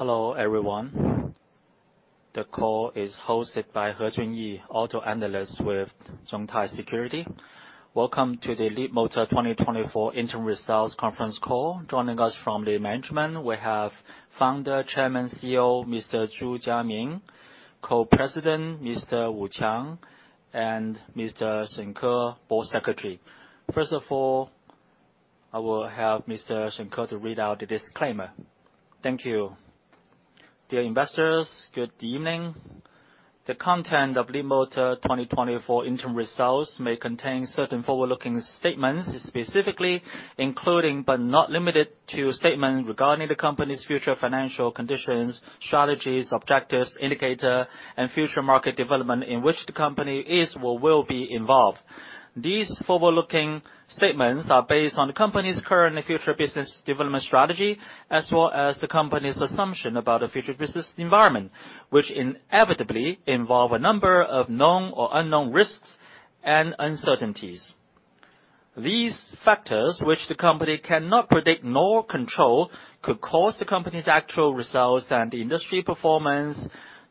Hello, everyone. The call is hosted by He Junyi, Auto Analyst with Zhongtai Securities. Welcome to the Leapmotor 2024 Interim Results Conference Call. Joining us from the management, we have Founder, Chairman, CEO, Mr. Zhu Jiangming, Co-President, Mr. Wu Qiang, and Mr. Shen Ke, Board Secretary. First of all, I will have Mr. Shen Ke to read out the disclaimer. Thank you. Dear investors, good evening. The content of Leapmotor 2024 interim results may contain certain forward-looking statements, specifically, including but not limited to statement regarding the company's future financial conditions, strategies, objectives, indicator, and future market development in which the company is or will be involved. These forward-looking statements are based on the company's current and future business development strategy, as well as the company's assumption about the future business environment, which inevitably involve a number of known or unknown risks and uncertainties. These factors, which the company cannot predict nor control, could cause the company's actual results and industry performance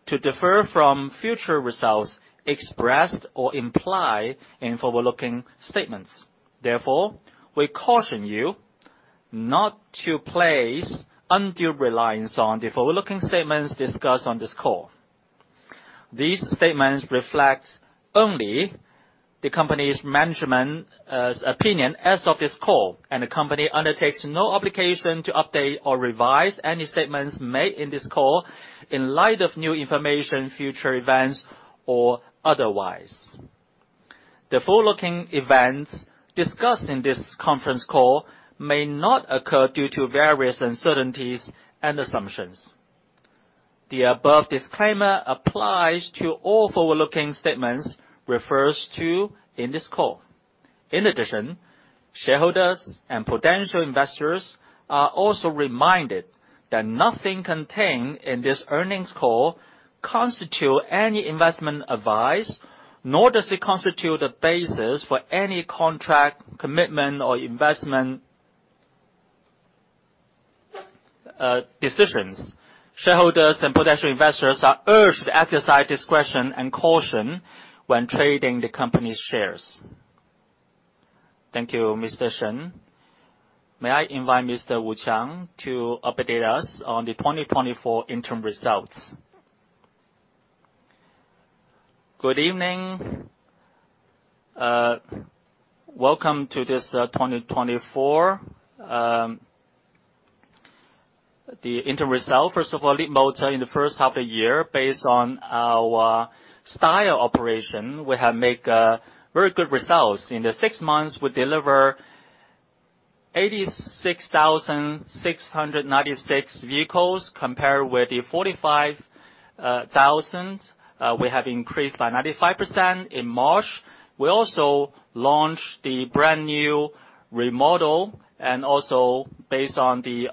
to differ from future results expressed or implied in forward-looking statements. Therefore, we caution you not to place undue reliance on the forward-looking statements discussed on this call. These statements reflect only the company's management opinion as of this call, and the company undertakes no obligation to update or revise any statements made in this call in light of new information, future events, or otherwise. The forward-looking events discussed in this conference call may not occur due to various uncertainties and assumptions. The above disclaimer applies to all forward-looking statements refers to in this call. In addition, shareholders and potential investors are also reminded that nothing contained in this earnings call constitute any investment advice, nor does it constitute a basis for any contract, commitment, or investment decisions. Shareholders and potential investors are urged to exercise discretion and caution when trading the company's shares. Thank you, Mr. Shen. May I invite Mr. Wu Qiang to update us on the 2024 interim results? Good evening, welcome to this, 2024, the interim result. First of all, Leapmotor in the first half of the year, based on our style operation, we have make, very good results. In the six months, we deliver 86,696 vehicles, compared with the 45,000, we have increased by 95%. In March, we also launched the brand-new remodel and also based on the,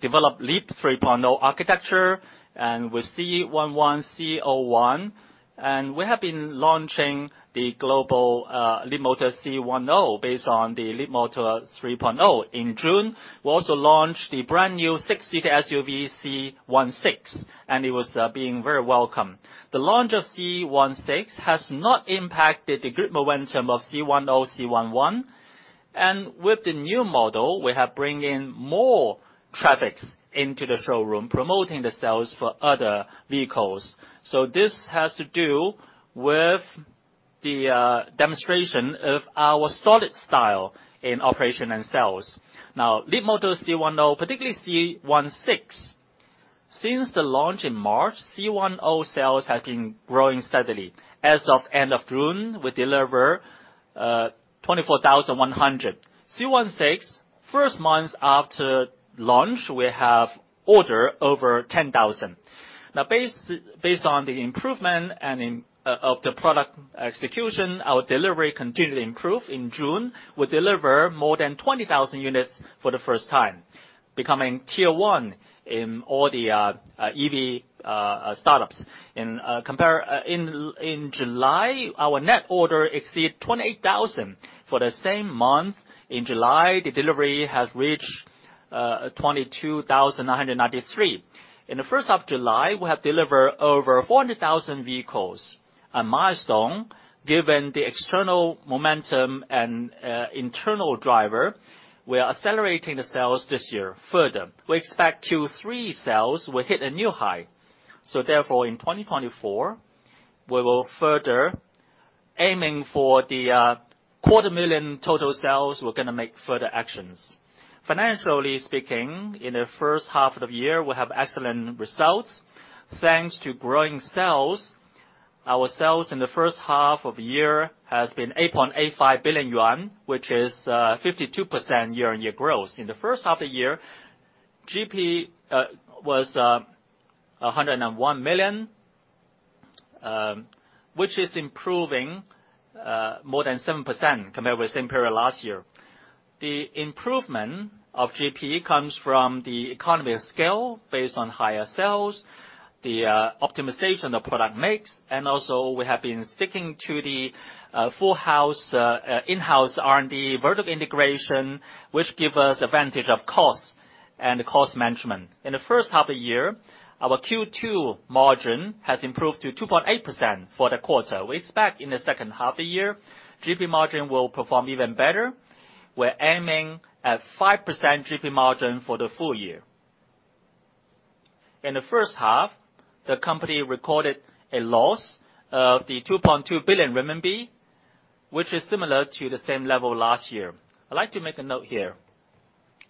developed Leap 3.0 architecture and with C11, C01, and we have been launching the global, Leapmotor C10, based on the Leapmotor 3.0. In June, we also launched the brand-new six-seater SUV, C16, and it was being very welcome. The launch of C16 has not impacted the good momentum of C10, C11, and with the new model, we have bring in more traffics into the showroom, promoting the sales for other vehicles. So this has to do with the demonstration of our solid style in operation and sales. Now, Leapmotor C10, particularly C16, since the launch in March, C10 sales have been growing steadily. As of end of June, we deliver 24,100. C16, first month after launch, we have order over 10,000. Now, based on the improvement and in of the product execution, our delivery continued to improve. In June, we deliver more than 20,000 units for the first time, becoming tier one in all the EV startups. In comparison, in July, our net order exceed 28,000 for the same month. In July, the delivery has reached 22,993. In the first half of the year, we have delivered over 400,000 vehicles, a milestone, given the external momentum and internal driver, we are accelerating the sales this year. Further, we expect Q3 sales will hit a new high. So therefore, in 2024, we will further aiming for the 250,000 total sales. We're gonna make further actions. Financially speaking, in the first half of the year, we have excellent results. Thanks to growing sales, our sales in the first half of the year has been 8.85 billion yuan, which is 52% year-on-year growth. In the first half of the year, GP was a hundred and one million, which is improving more than 7% compared with same period last year. The improvement of GPE comes from the economy of scale, based on higher sales... the optimization of product mix, and also we have been sticking to the full house in-house R&D vertical integration, which give us advantage of cost and cost management. In the first half of the year, our Q2 margin has improved to 2.8% for the quarter. We expect in the second half of the year, GP margin will perform even better. We're aiming at 5% GP margin for the full year. In the first half, the company recorded a loss of 2.2 billion RMB, which is similar to the same level last year. I'd like to make a note here.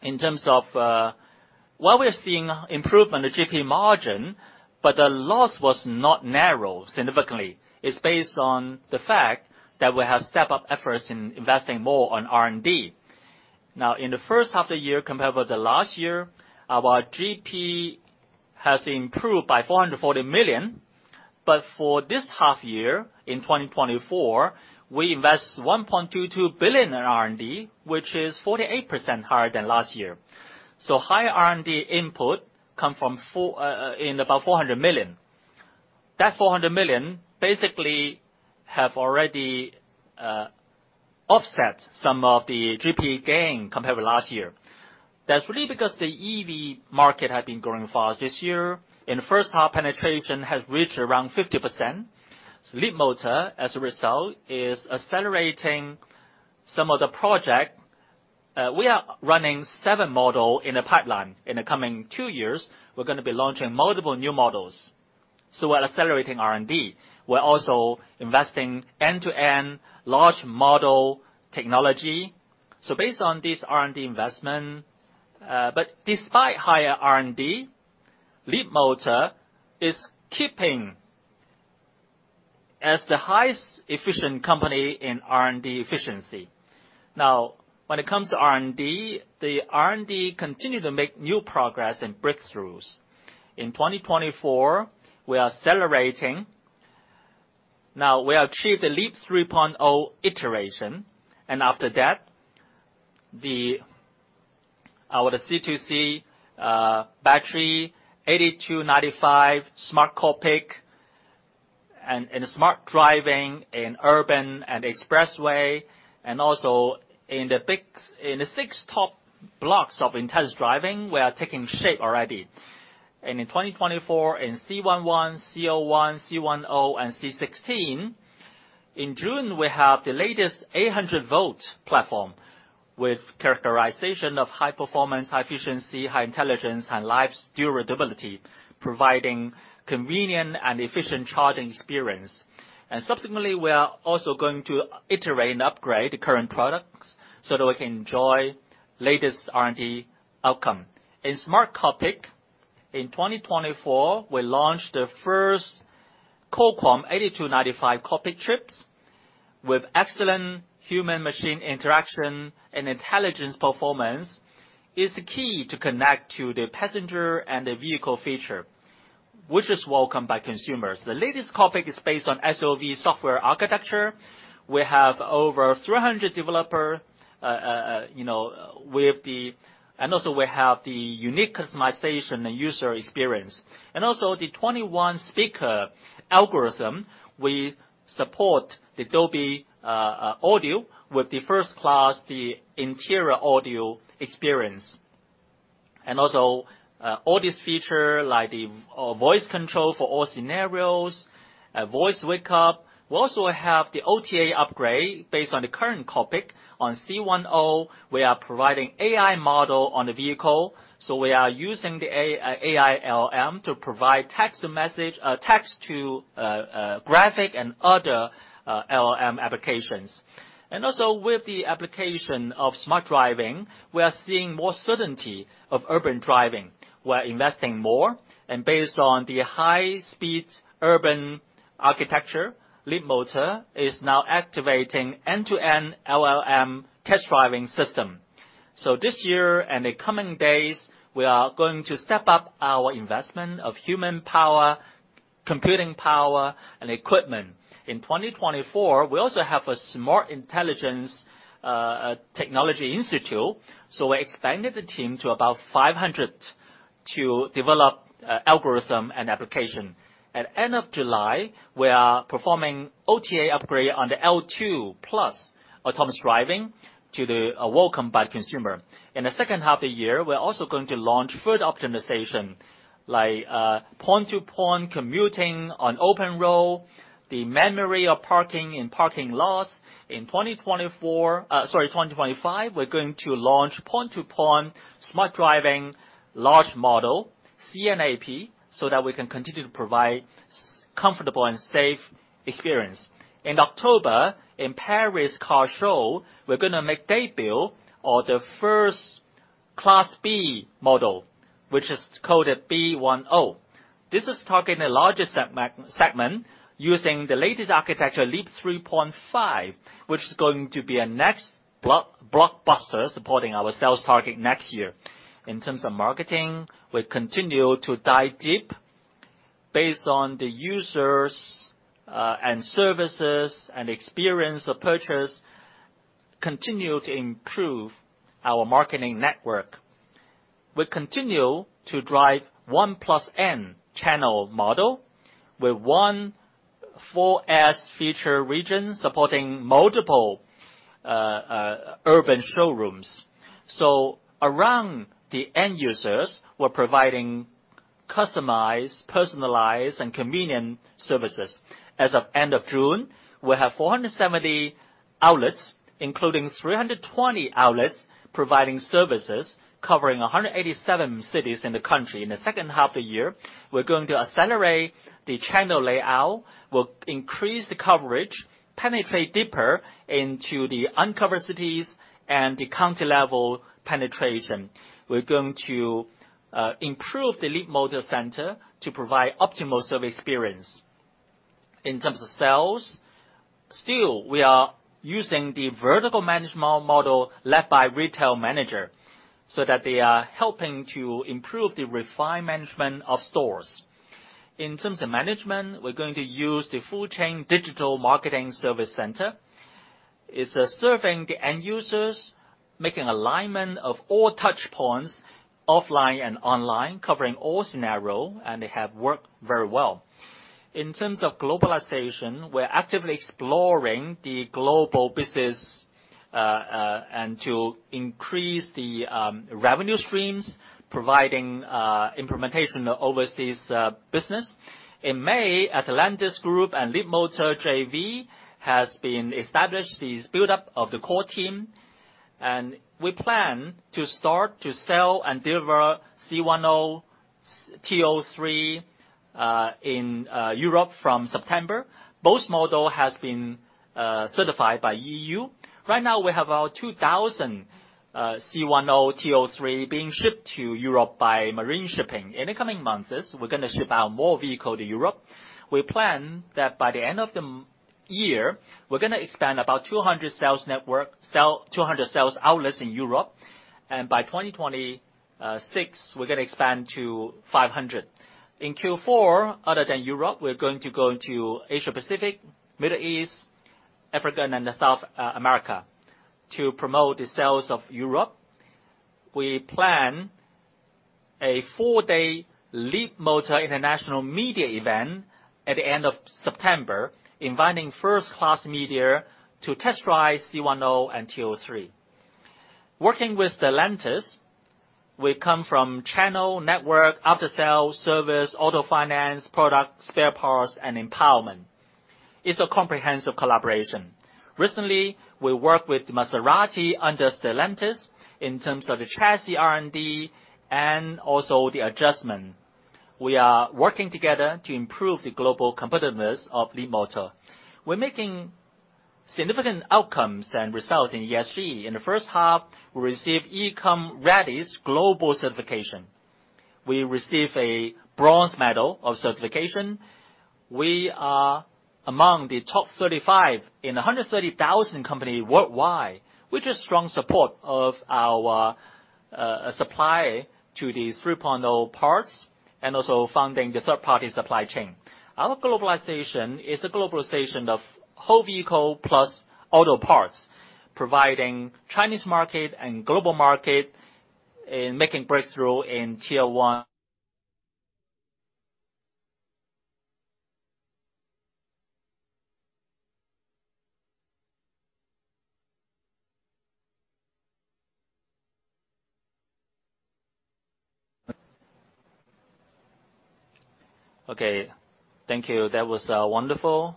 In terms of, while we are seeing improvement in the GP margin, but the loss was not narrow significantly. It's based on the fact that we have stepped up efforts in investing more on R&D. Now, in the first half of the year, compared with the last year, our GP has improved by 400 million, but for this half year, in 2024, we invest 1.22 billion in R&D, which is 48% higher than last year. So higher R&D input come from four, in about 400 million. That 400 million basically have already offset some of the GP gain compared with last year. That's really because the EV market had been growing fast this year. In the first half, penetration has reached around 50%. Leapmotor, as a result, is accelerating some of the project. We are running seven model in the pipeline. In the coming two years, we're gonna be launching multiple new models, so we're accelerating R&D. We're also investing end-to-end large model technology. So based on this R&D investment, but despite higher R&D, Leapmotor is keeping as the highest efficient company in R&D efficiency. Now, when it comes to R&D, the R&D continue to make new progress and breakthroughs. In twenty twenty-four, we are accelerating. Now, we achieved the Leap 3.0 iteration, and after that, our CTC battery, 8295 Smart Cockpit, and smart driving in urban and expressway, and also in the big, in the six top blocks of intense driving, we are taking shape already. In 2024, in C01, C11, and C16, in June, we have the latest 800-volt platform, with characterization of high performance, high efficiency, high intelligence, and life durability, providing convenient and efficient charging experience. Subsequently, we are also going to iterate and upgrade the current products so that we can enjoy latest R&D outcome. In the smart cockpit, in 2024, we launched the first Qualcomm 8295 cockpit chips, with excellent human-machine interaction and intelligence performance, which is the key to connect the passenger and the vehicle feature, which is welcomed by consumers. The latest cockpit is based on SOV software architecture. We have over 300 developers, you know, with the... And also we have the unique customization and user experience. And also, the 21-speaker algorithm, we support the Dolby Audio with the first-class interior audio experience. And also, all these features, like the voice control for all scenarios, voice wake-up. We also have the OTA upgrade based on the current cockpit. On C10, we are providing AI model on the vehicle, so we are using the AI LLM to provide text to message, text to graphic and other LM applications. And also, with the application of smart driving, we are seeing more certainty of urban driving. We're investing more, and based on the high-speed urban architecture, Leapmotor is now activating end-to-end LLM test driving system. So this year and the coming days, we are going to step up our investment of human power, computing power, and equipment. In 2024, we also have a smart intelligence technology institute, so we expanded the team to about 500 to develop algorithm and application. At end of July, we are performing OTA upgrade on the L2+ autonomous driving to the welcomed by consumer. In the second half of the year, we are also going to launch further optimization, like, point-to-point commuting on open road, the memory of parking in parking lots. In 2024, sorry, 2025, we're going to launch point-to-point smart driving, large model, CNAP, so that we can continue to provide comfortable and safe experience. In October, in Paris Car Show, we're gonna make debut of the first Class B model, which is called a B10. This is targeting the largest segment using the latest architecture, Leap 3.5, which is going to be a next blockbuster, supporting our sales target next year. In terms of marketing, we continue to dive deep based on the users, and services, and experience of purchase... continue to improve our marketing network. We continue to drive 1+N channel model, with one 4S feature region supporting multiple urban showrooms. So around the end users, we're providing customized, personalized, and convenient services. As of end of June, we have 470 outlets, including 320 outlets providing services, covering 187 cities in the country. In the second half of the year, we're going to accelerate the channel layout. We'll increase the coverage, penetrate deeper into the uncovered cities and the county level penetration. We're going to improve the Leapmotor Center to provide optimal service experience. In terms of sales, still, we are using the vertical management model led by retail manager, so that they are helping to improve the refined management of stores. In terms of management, we're going to use the full chain digital marketing service center. It's serving the end users, making alignment of all touch points, offline and online, covering all scenario, and they have worked very well. In terms of globalization, we're actively exploring the global business, and to increase the revenue streams, providing implementation overseas business. In May, Stellantis Group and Leapmotor JV has been established the build-up of the core team, and we plan to start to sell and deliver C10 in Europe from September. Both model has been certified by EU. Right now, we have about 2,000 C10 being shipped to Europe by marine shipping. In the coming months, we're gonna ship out more vehicle to Europe. We plan that by the end of the year, we're gonna expand about 200 sales network, 200 sales outlets in Europe, and by 2026, we're gonna expand to 500. In Q4, other than Europe, we're going to go into Asia Pacific, Middle East, Africa, and South America. To promote the sales of Europe, we plan a four-day Leapmotor International media event at the end of September, inviting first-class media to test drive C10 and T03. Working with Stellantis, we come from channel, network, after-sale service, auto finance, product, spare parts, and empowerment. It's a comprehensive collaboration. Recently, we worked with Maserati under Stellantis in terms of the chassis R&D and also the adjustment. We are working together to improve the global competitiveness of Leapmotor. We're making significant outcomes and results in ESG. In the first half, we received EcoVadis global certification. We received a bronze medal of certification. We are among the top 35 in 130,000 companies worldwide, which is strong support of our supply to the 3.0 parts, and also funding the third-party supply chain. Our globalization is a globalization of whole vehicle plus auto parts, providing Chinese market and global market in making breakthrough in tier one. Okay, thank you. That was wonderful.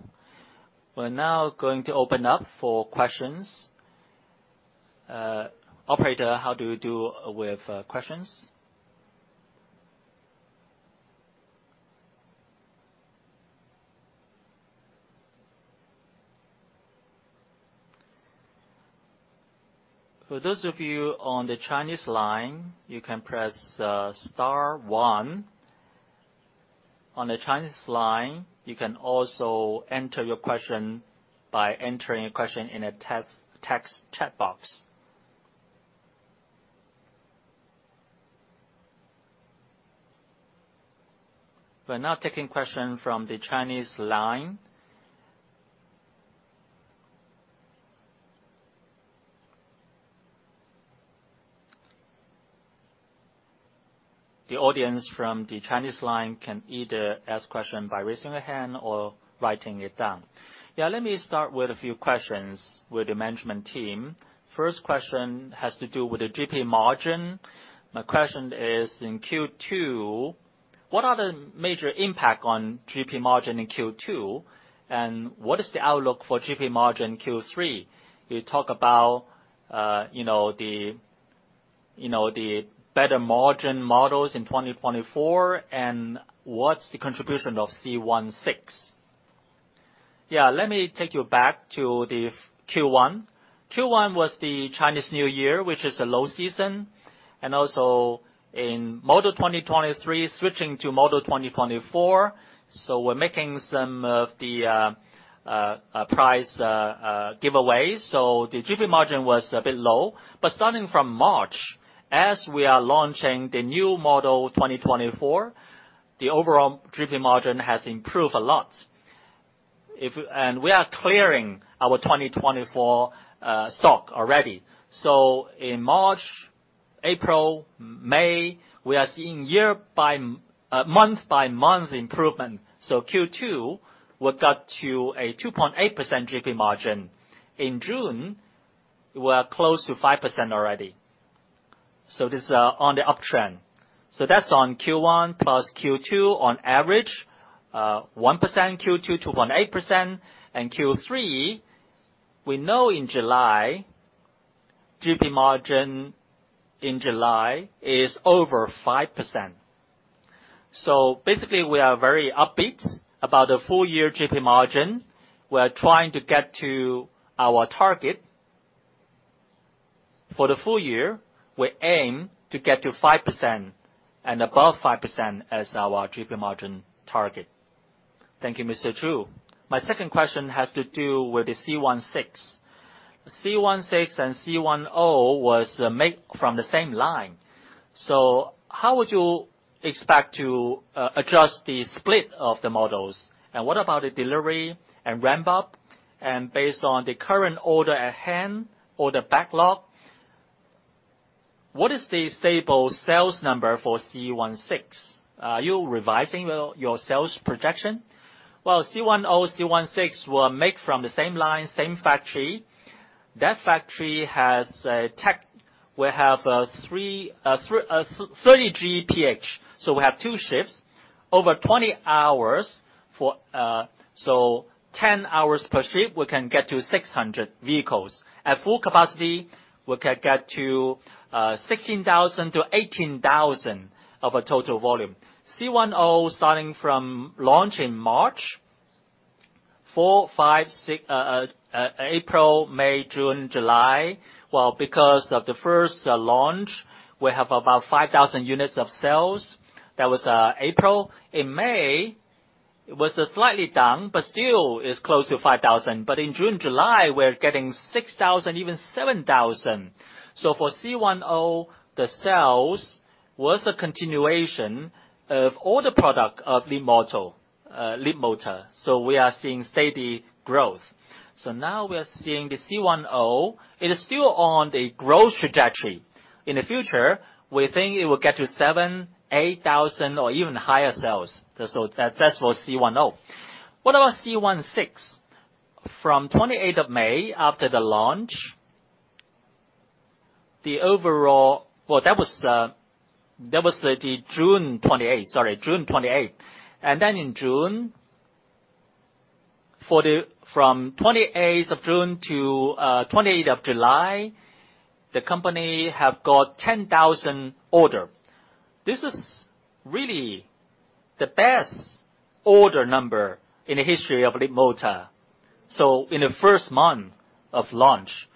We're now going to open up for questions. Operator, how do you do with questions? those of you on the Chinese line, you can press star one. On the Chinese line, you can also enter your question by entering your question in a text chat box. We're now taking questions from the Chinese line. The audience from the Chinese line can either ask question by raising a hand or writing it down. Yeah, let me start with a few questions with the management team. First question has to do with the GP margin. My question is, in Q2, what are the major impact on GP margin in Q2, and what is the outlook for GP margin Q3? You talk about, you know, the, you know, the better margin models in 2024, and what's the contribution of C16? Yeah, let me take you back to the Q1. Q1 was the Chinese New Year, which is a low season, and also in model 2023, switching to model 2024, so we're making some of the price giveaways. So the GP margin was a bit low. Starting from March, as we are launching the new model 2024. The overall GP margin has improved a lot. We are clearing our 2024 stock already. So in March, April, May, we are seeing year by month-by-month improvement. So Q2, we got to a 2.8% GP margin. In June, we are close to 5% already, so this is on the uptrend. So that's on Q1 plus Q2, on average, 1%, Q2 to 18%, and Q3, we know in July, GP margin in July is over 5%. So basically, we are very upbeat about the full year GP margin. We're trying to get to our target. For the full year, we aim to get to 5% and above 5% as our GP margin target. Thank you, Mr. Zhu. My second question has to do with the C16. C16 and C10 was made from the same line, so how would you expect to adjust the split of the models? And what about the delivery and ramp-up? And based on the current order at hand or the backlog, what is the stable sales number for C16? Are you revising your sales projection? Well, C10, C16 were made from the same line, same factory. That factory has tech. We have 3 GPH. So we have two shifts, over 20 hours for... So 10 hours per shift, we can get to 600 vehicles. At full capacity, we can get to 16,000-18,000 of a total volume. C10, starting from launch in March, four, five, six, April, May, June, July. Well, because of the first launch, we have about 5,000 units of sales. That was April. In May, it was slightly down, but still is close to 5,000. But in June, July, we're getting 6,000, even 7,000. So for C10, the sales was a continuation of all the product of Leapmotor. So we are seeing steady growth. So now we are seeing the C10, it is still on the growth trajectory. In the future, we think it will get to 7,000-8,000 or even higher sales. So that, that's for C10. What about C16? From 28th of May, after the launch, the overall. Well, that was the June 28th, sorry, June 28th. And then in June, for the from 28th of June to 28th of July, the company have got 10,000 order. This is really the best order number in the history of Leapmotor. So in the first month of launch,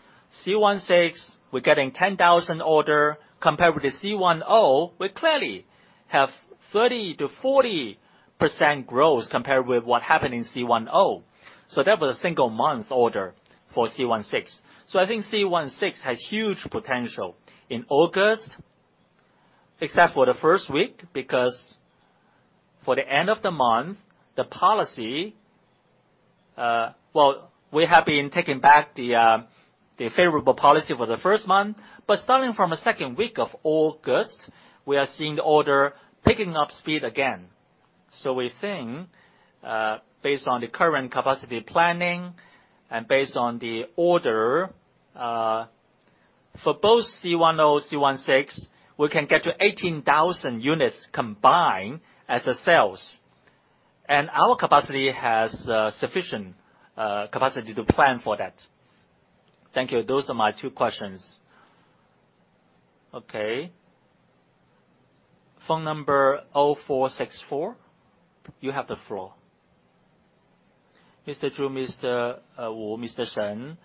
C16, we're getting 10,000 order. Compared with the C10, we clearly have 30%-40% growth compared with what happened in C10. So that was a single month order for C16. So I think C16 has huge potential. In August, except for the first week, because for the end of the month, the policy, Well, we have been taking back the, the favorable policy for the first month, but starting from the second week of August, we are seeing the order picking up speed again. So we think, based on the current capacity planning and based on the order, for both C10, C16, we can get to 18,000 units combined as a sales. Our capacity has sufficient capacity to plan for that. Thank you. Those are my two questions. Okay. Phone number 0464, you have the floor. Mr. Zhu, Mr. Wu, Mr. Shen,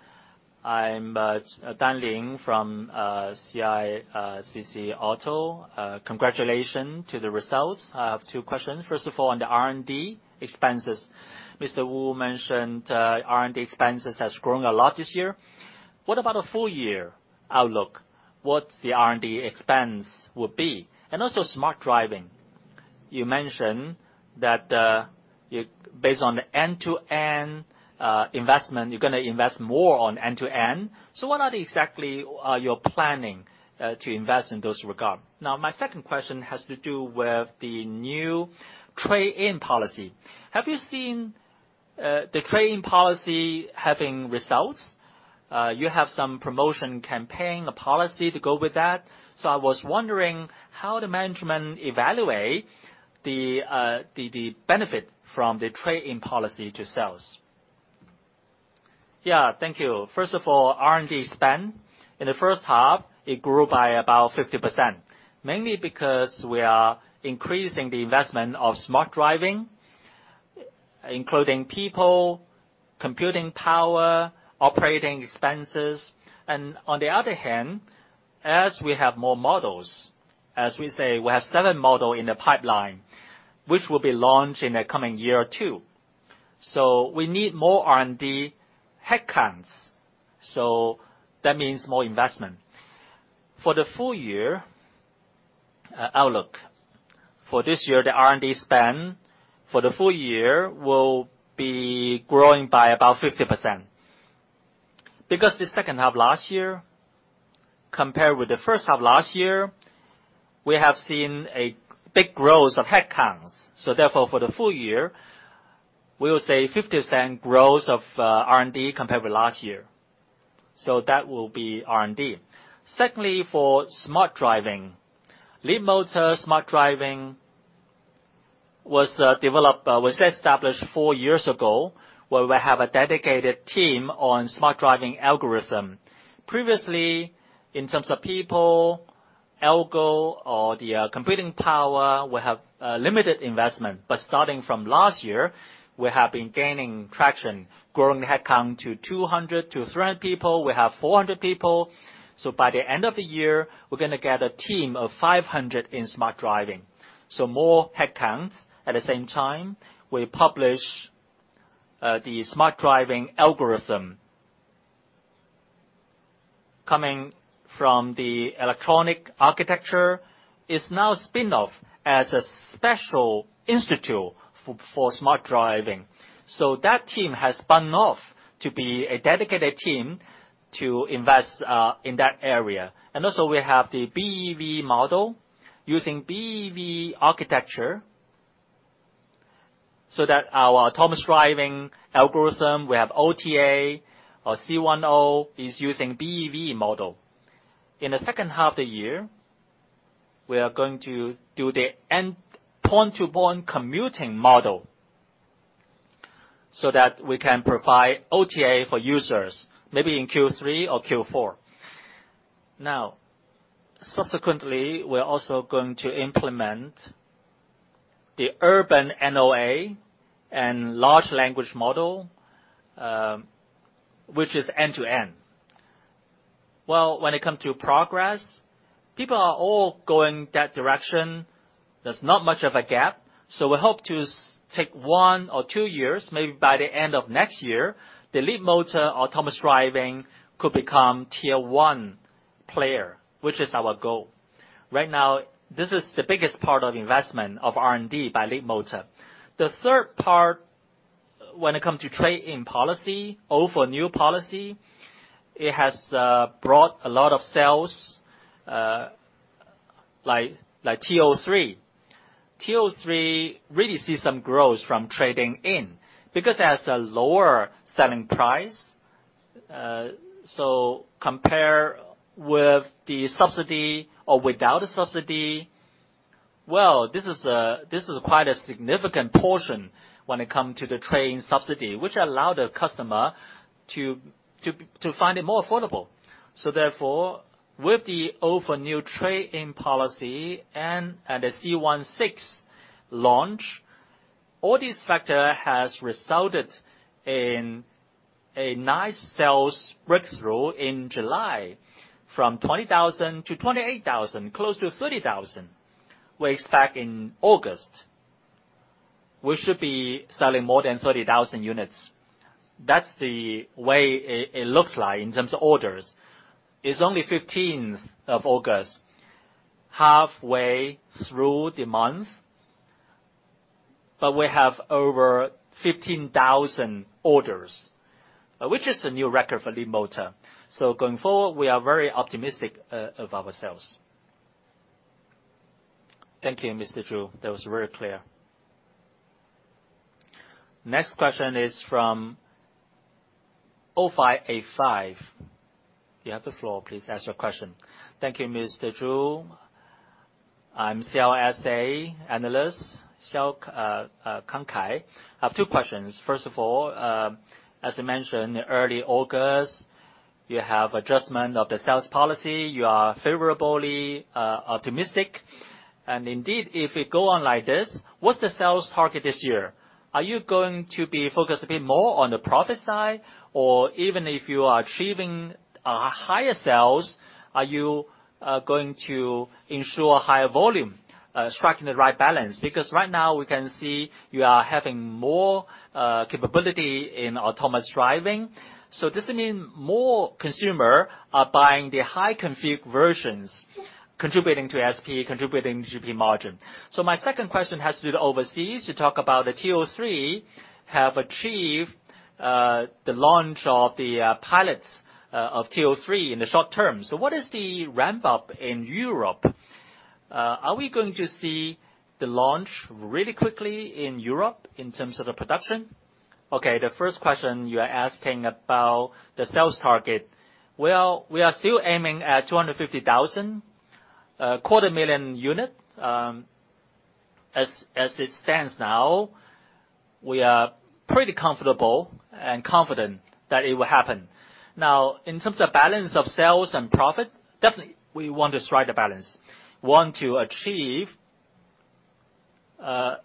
I'm Deng Lei from CICC Auto. Congratulations to the results. I have two questions. First of all, on the R&D expenses, Mr. Wu mentioned R&D expenses has grown a lot this year. What about a full year outlook? What the R&D expense will be? And also, smart driving. You mentioned that you, based on the end-to-end investment, you're gonna invest more on end-to-end. So what are the exactly you're planning to invest in those regard? Now, my second question has to do with the new trade-in policy. Have you seen the trade-in policy having results? You have some promotion campaign, a policy to go with that. So I was wondering, how the management evaluate the benefit from the trade-in policy to sales. Yeah, thank you. First of all, R&D spend. In the first half, it grew by about 50%, mainly because we are increasing the investment of smart driving, including people, computing power, operating expenses. And on the other hand, as we have more models, as we say, we have seven model in the pipeline, which will be launched in the coming year two. So we need more R&D headcounts, so that means more investment. For the full year outlook, for this year, the R&D spend for the full year will be growing by about 50%. Because the second half last year, compared with the first half last year, we have seen a big growth of headcounts. So therefore, for the full year, we will say 50% growth of R&D compared with last year. So that will be R&D. Secondly, for smart driving, Leapmotor smart driving was developed, was established four years ago, where we have a dedicated team on smart driving algorithm. Previously, in terms of people, algo, or the computing power, we have limited investment. But starting from last year, we have been gaining traction, growing headcount to 200 to 300 people. We have 400 people. So by the end of the year, we're gonna get a team of 500 in smart driving. So more headcounts. At the same time, we publish the smart driving algorithm. Coming from the electronic architecture, is now spin-off as a special institute for smart driving. So that team has spun off to be a dedicated team to invest in that area. And also, we have the BEV model, using BEV architecture, so that our autonomous driving algorithm, we have OTA or C10, is using BEV model. In the second half of the year, we are going to do the end, point-to-point commuting model, so that we can provide OTA for users, maybe in Q3 or Q4. Now, subsequently, we're also going to implement the urban NOA and large language model, which is end-to-end. Well, when it comes to progress, people are all going that direction. There's not much of a gap, so we hope to take one or two years, maybe by the end of next year, the Leapmotor autonomous driving could become tier one player, which is our goal. Right now, this is the biggest part of investment of R&D by Leapmotor. The third part, when it comes to trade-in policy, old-for-new policy, it has brought a lot of sales, like, like T03. T03 really see some growth from trading in, because it has a lower selling price. So compare with the subsidy or without the subsidy, well, this is quite a significant portion when it come to the trade-in subsidy, which allow the customer to find it more affordable. So therefore, with the old-for-new trade-in policy and the C16 launch, all these factor has resulted in a nice sales breakthrough in July, from 20,000 to 28,000, close to 30,000. We expect in August, we should be selling more than 30,000 units. That's the way it looks like in terms of orders. It's only the 15th of August, halfway through the month, but we have over 15,000 orders, which is a new record for Leapmotor. So going forward, we are very optimistic of our sales. Thank you, Mr. Zhu. That was very clear. Next question is from Oh Five Eight Five. You have the floor, please ask your question. Thank you, Mr. Zhu. I'm CLSA analyst, Kang Kai. I have two questions. First of all, as you mentioned, early August, you have adjustment of the sales policy. You are favorably optimistic, and indeed, if it go on like this, what's the sales target this year? Are you going to be focused a bit more on the profit side? Or even if you are achieving higher sales, are you going to ensure higher volume, striking the right balance? Because right now, we can see you are having more capability in autonomous driving. So does it mean more consumer are buying the high-config versions, contributing to SP, contributing to GP margin? So my second question has to do with overseas. You talk about the T03 have achieved the launch of the pilots of T03 in the short term. So what is the ramp-up in Europe? Are we going to see the launch really quickly in Europe in terms of the production? Okay, the first question you are asking about the sales target. Well, we are still aiming at 250,000, quarter million unit. As it stands now, we are pretty comfortable and confident that it will happen. Now, in terms of balance of sales and profit, definitely, we want to strike the balance. We want to achieve 5%-10%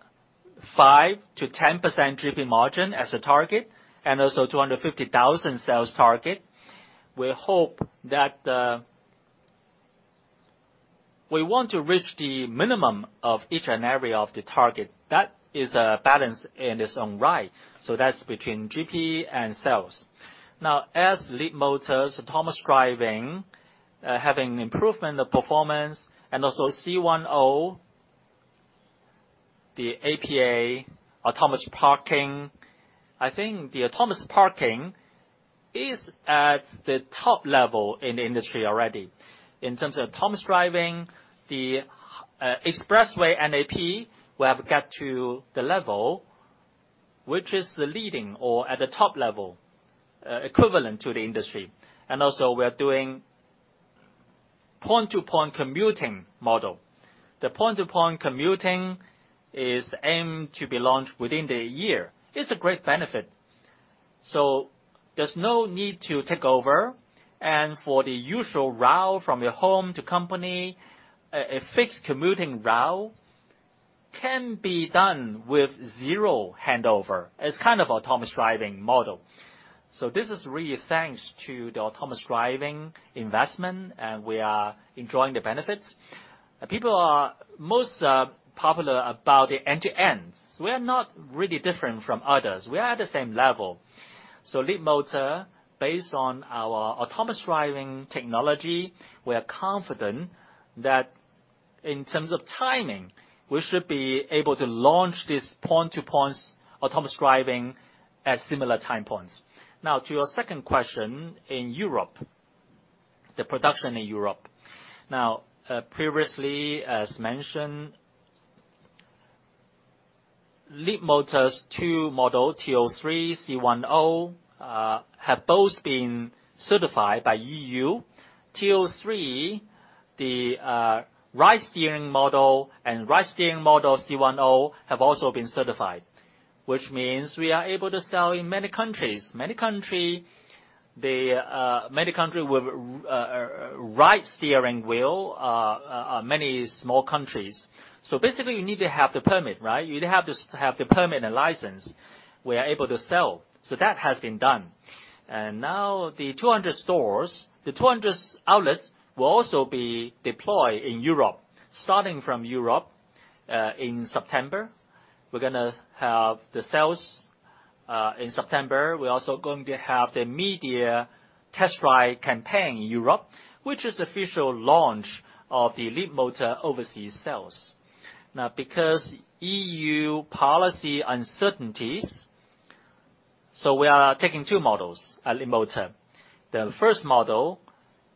GP margin as a target and also 250,000 sales target. We hope that... We want to reach the minimum of each and every of the target. That is a balance in its own right, so that's between GP and sales. Now, as for Leapmotor's autonomous driving, having improvement of performance and also C10, the APA, autonomous parking. I think the autonomous parking is at the top level in the industry already. In terms of autonomous driving, the expressway NAP, we have got to the level, which is the leading or at the top level, equivalent to the industry. And also, we are doing point-to-point commuting model. The point-to-point commuting is aimed to be launched within the year. It's a great benefit, so there's no need to take over. And for the usual route from your home to company, a fixed commuting route can be done with zero handover. It's kind of autonomous driving model. So this is really thanks to the autonomous driving investment, and we are enjoying the benefits. People are most popular about the end-to-ends. We are not really different from others. We are at the same level. So Leapmotor, based on our autonomous driving technology, we are confident that in terms of timing, we should be able to launch this point-to-points autonomous driving at similar time points. Now, to your second question, in Europe, the production in Europe. Now, previously, as mentioned, Leapmotor's two model, T03, C10, have both been certified by EU. T03, the, right steering model and right steering model C10, have also been certified, which means we are able to sell in many countries. Many country, the, many country with, right steering wheel, many small countries. So basically, you need to have the permit, right? You have to have the permit and license. We are able to sell, so that has been done. And now the 200 stores, the 200 outlets will also be deployed in Europe. Starting from Europe, in September, we're gonna have the sales in September. We're also going to have the media test drive campaign in Europe, which is official launch of the Leapmotor overseas sales. Now, because EU policy uncertainties, so we are taking two models at Leapmotor. The first model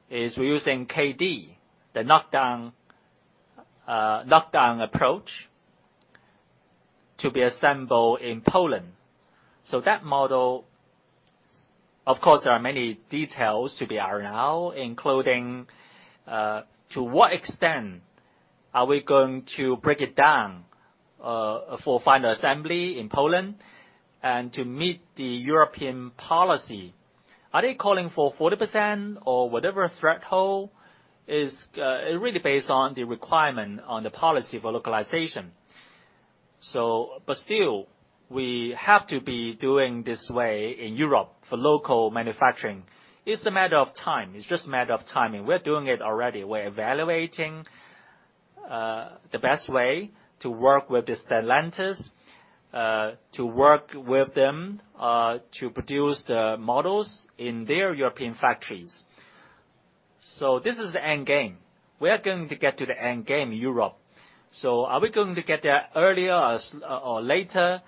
is we're using KD, the knockdown approach, to be assembled in Poland. So that model, of course, there are many details to be R&D, including to what extent are we going to break it down for final assembly in Poland and to meet the European policy? Are they calling for 40% or whatever threshold? Is it really based on the requirement on the policy for localization. So, but still, we have to be doing this way in Europe for local manufacturing. It's a matter of time. It's just a matter of timing. We're doing it already. We're evaluating the best way to work with the Stellantis, to work with them, to produce the models in their European factories. So this is the end game. We are going to get to the end game, Europe. So are we going to get there earlier as or, or later?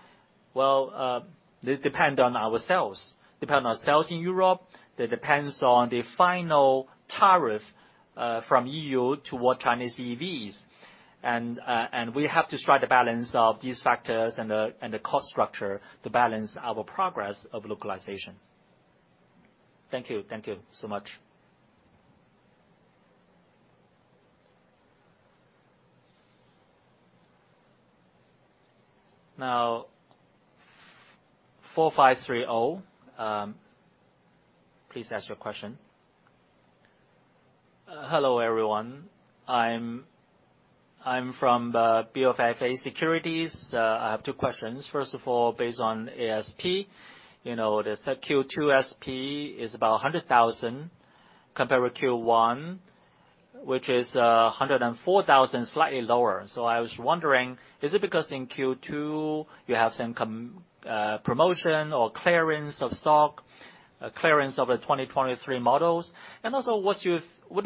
Well, it depend on ourselves, depend on sales in Europe, that depends on the final tariff from EU toward Chinese EVs. And we have to strike the balance of these factors and the cost structure to balance our progress of localization. Thank you. Thank you so much. Now, 4, 5, 3, 0, please ask your question. Hello, everyone. I'm from BofA Securities. I have two questions. First of all, based on ASP, you know, the Q2 ASP is about 100,000 compared with Q1, which is 104,000, slightly lower. So I was wondering, is it because in Q2 you have some promotion or clearance of stock, clearance of the 2023 models? And also, what do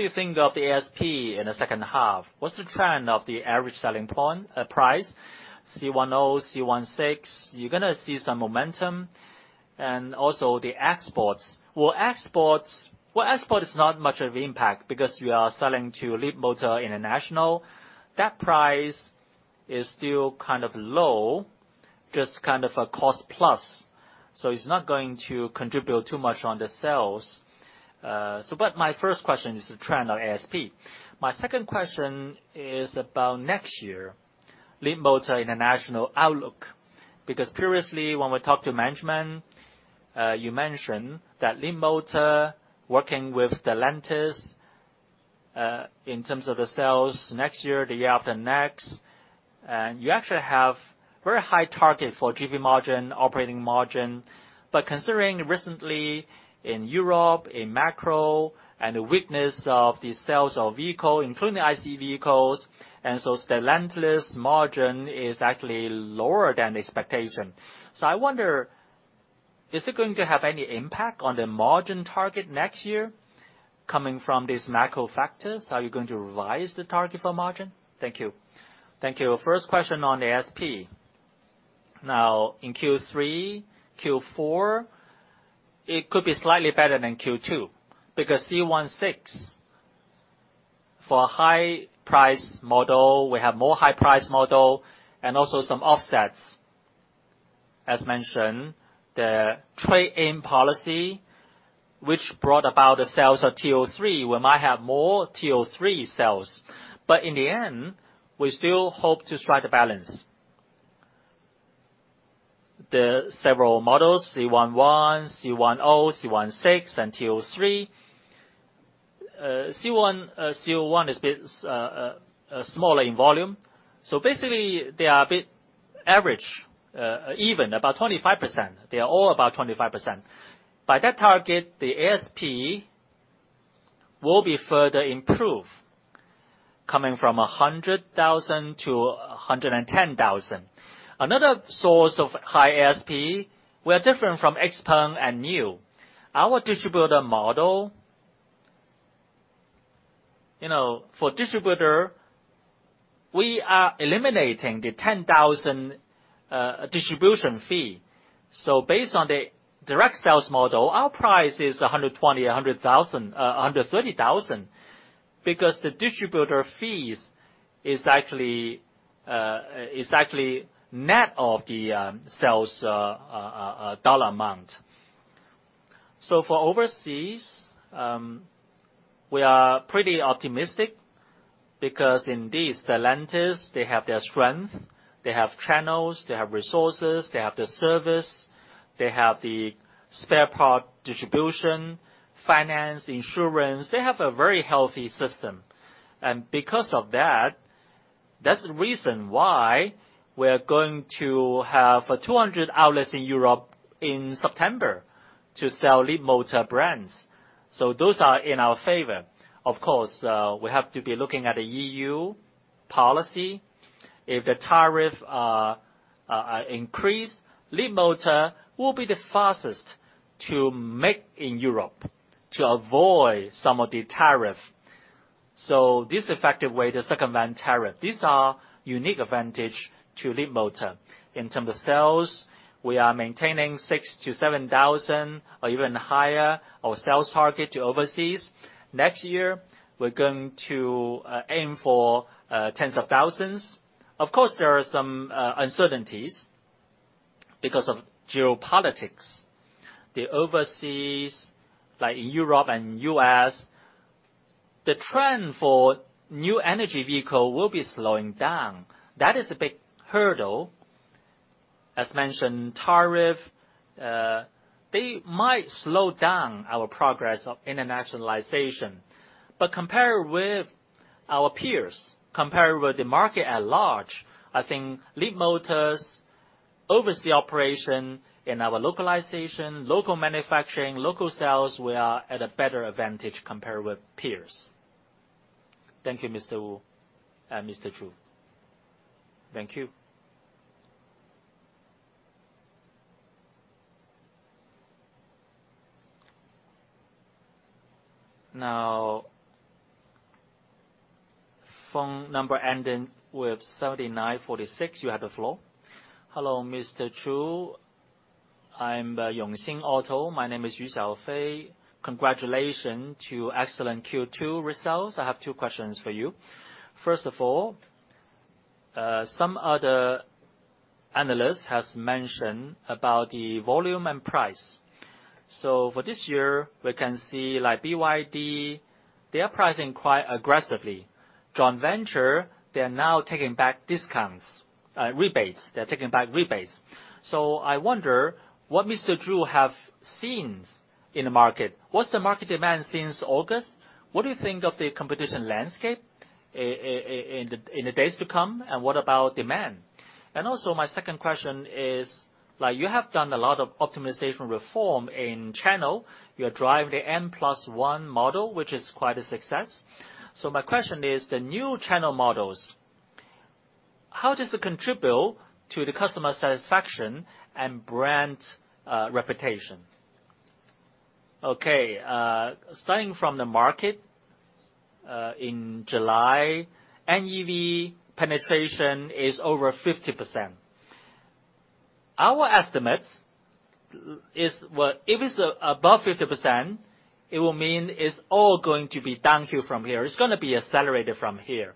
you think of the ASP in the second half? What's the trend of the average selling point, price, C10, C16? You're gonna see some momentum and also the exports. Well, exports, export is not much of impact because you are selling to Leapmotor International. That price is still kind of low, just kind of a cost plus, so it's not going to contribute too much on the sales. So but my first question is the trend of ASP. My second question is about next year, Leapmotor International outlook. Because previously, when we talked to management, you mentioned that Leapmotor, working with Stellantis, in terms of the sales next year, the year after next... And you actually have very high target for GP margin, operating margin. But considering recently in Europe, in macro, and the weakness of the sales of vehicle, including IC vehicles, and so Stellantis margin is actually lower than the expectation. So I wonder, is it going to have any impact on the margin target next year, coming from these macro factors? Are you going to revise the target for margin? Thank you. Thank you. First question on the ASP. Now, in Q3, Q4, it could be slightly better than Q2, because C16, for a high price model, we have more high price model and also some offsets. As mentioned, the trade-in policy, which brought about the sales of T03, we might have more T03 sales. But in the end, we still hope to strike a balance. The several models, C11, C10, C16, and T03. C01 is a bit smaller in volume. So basically, they are a bit average, even, about 25%. They are all about 25%. By that target, the ASP will be further improved, coming from 100,000 to 110,000. Another source of high ASP, we are different from XPeng and NIO. Our distributor model, you know, for distributor, we are eliminating the 10,000 distribution fee. So based on the direct sales model, our price is 120,000 under 30,000, because the distributor fees is actually net of the sales dollar amount. So for overseas, we are pretty optimistic because indeed, Stellantis, they have their strength, they have channels, they have resources, they have the service, they have the spare part distribution, finance, insurance. They have a very healthy system. And because of that, that's the reason why we're going to have 200 outlets in Europe in September to sell Leapmotor brands. So those are in our favor. Of course, we have to be looking at the EU policy. If the tariff are increased, Leapmotor will be the fastest to make in Europe to avoid some of the tariff. So this effective way to circumvent tariff. These are unique advantage to Leapmotor. In terms of sales, we are maintaining 6-7,000 or even higher, our sales target to overseas. Next year, we're going to aim for tens of thousands. Of course, there are some uncertainties because of geopolitics. The overseas, like in Europe and U.S., the trend for new energy vehicle will be slowing down. That is a big hurdle. As mentioned, tariff, they might slow down our progress of internationalization. But compared with our peers, compared with the market at large, I think Leapmotor's overseas operation in our localization, local manufacturing, local sales, we are at a better advantage compared with peers. Thank you, Mr. Wu and Mr. Zhu. Thank you. Now, phone number ending with 7946, you have the floor. Hello, Mr. Zhu. I'm Yongxing Securities. My name is Yu Xiaofei. Congratulations to excellent Q2 results. I have two questions for you. First of all, some other analysts has mentioned about the volume and price. So for this year, we can see, like, BYD, they are pricing quite aggressively. Joint Venture, they are now taking back discounts, rebates. They're taking back rebates. So I wonder, what Mr. Zhu have seen in the market? What's the market demand since August? What do you think of the competition landscape in the days to come, and what about demand? And also, my second question is, like, you have done a lot of optimization reform in channel. You are driving the N+1 model, which is quite a success. So my question is, the new channel models, how does it contribute to the customer satisfaction and brand, reputation? Okay, starting from the market, in July, NEV penetration is over 50%. Our estimates is, well, if it's above 50%, it will mean it's all going to be downhill from here. It's gonna be accelerated from here.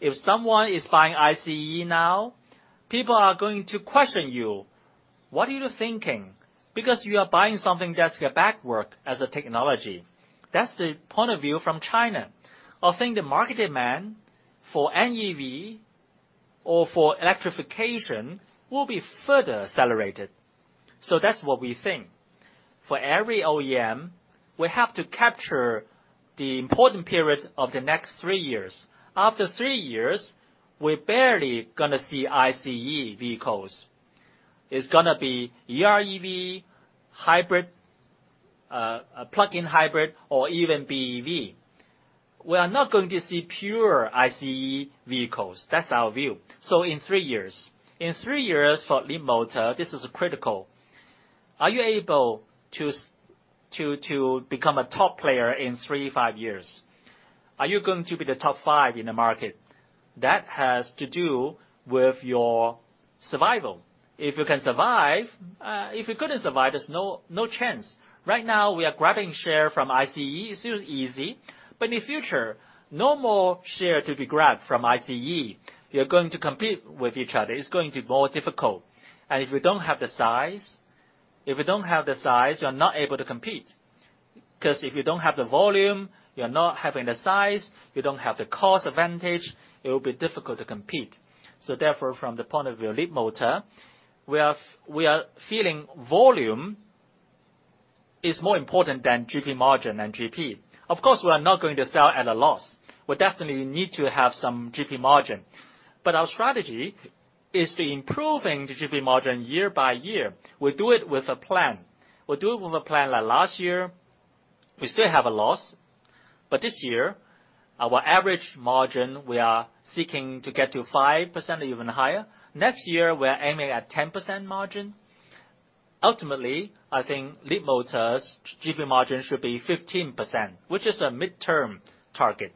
If someone is buying ICE now, people are going to question you, "What are you thinking? Because you are buying something that's backward as a technology." That's the point of view from China. I think the market demand for NEV or for electrification will be further accelerated. So that's what we think for every OEM, we have to capture the important period of the next three years. After three years, we're barely gonna see ICE vehicles. It's gonna be EREV, hybrid, plug-in hybrid, or even BEV. We are not going to see pure ICE vehicles. That's our view. So in three years. In three years for Leapmotor, this is critical. Are you able to to become a top player in 3, 5 years? Are you going to be the top 5 in the market? That has to do with your survival. If you can survive, if you couldn't survive, there's no, no chance. Right now, we are grabbing share from ICE, it's still easy, but in the future, no more share to be grabbed from ICE. You're going to compete with each other. It's going to be more difficult. And if you don't have the size, if you don't have the size, you're not able to compete. 'Cause if you don't have the volume, you're not having the size, you don't have the cost advantage, it will be difficult to compete. So therefore, from the point of view of Leapmotor, we are feeling volume is more important than GP margin and GP. Of course, we are not going to sell at a loss. We definitely need to have some GP margin. But our strategy is to improving the GP margin year by year. We do it with a plan. We do it with a plan, like last year, we still have a loss, but this year, our average margin, we are seeking to get to 5% or even higher. Next year, we are aiming at 10% margin. Ultimately, I think Leapmotor's GP margin should be 15%, which is a midterm target.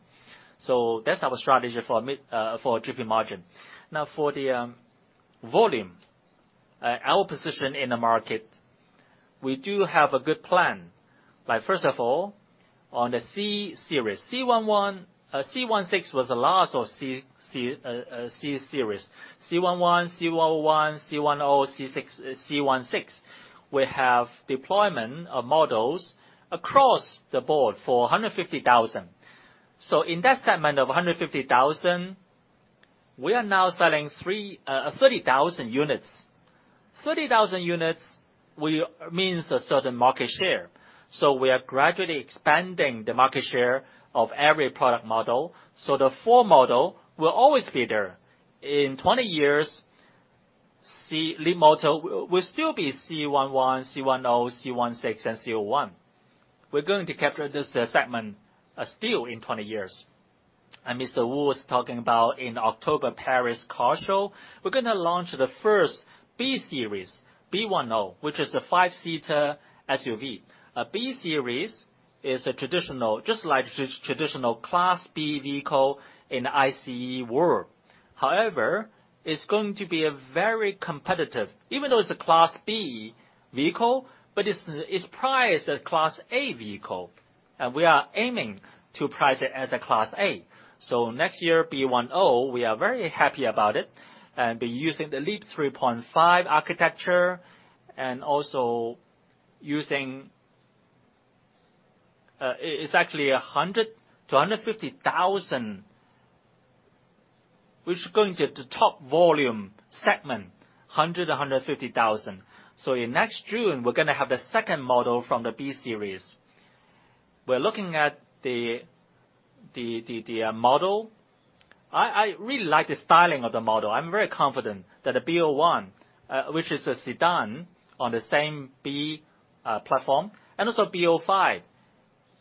So that's our strategy for mid-, for GP margin. Now, for the volume, our position in the market, we do have a good plan. Like, first of all, on the C-series, C11, C16 was the last of the C-series. C11, C01, C10, C16. We have deployment of models across the board for 150,000. So in that segment of 150,000, we are now selling 30,000 units. 30,000 units means a certain market share. So we are gradually expanding the market share of every product model, so the four models will always be there. In 20 years, Leapmotor will still be C11, C10, C16, and C01. We're going to capture this segment still in 20 years. And Mr. Wu was talking about in October Paris Car Show, we're gonna launch the first B-series, B10, which is a 5-seater SUV. The B-Series is a traditional, just like traditional Class B vehicle in the ICE world. However, it's going to be a very competitive, even though it's a Class B vehicle, but it's, it's priced as Class A vehicle, and we are aiming to price it as a Class A. So next year, B10, we are very happy about it, and be using the Leap 3.5 architecture, and also using... It, it's actually 100,000-150,000, which is going to the top volume segment, 100-150 thousand. So in next June, we're gonna have the second model from the B-Series. We're looking at the model. I, I really like the styling of the model. I'm very confident that the B01, which is a sedan on the same B platform, and also B05,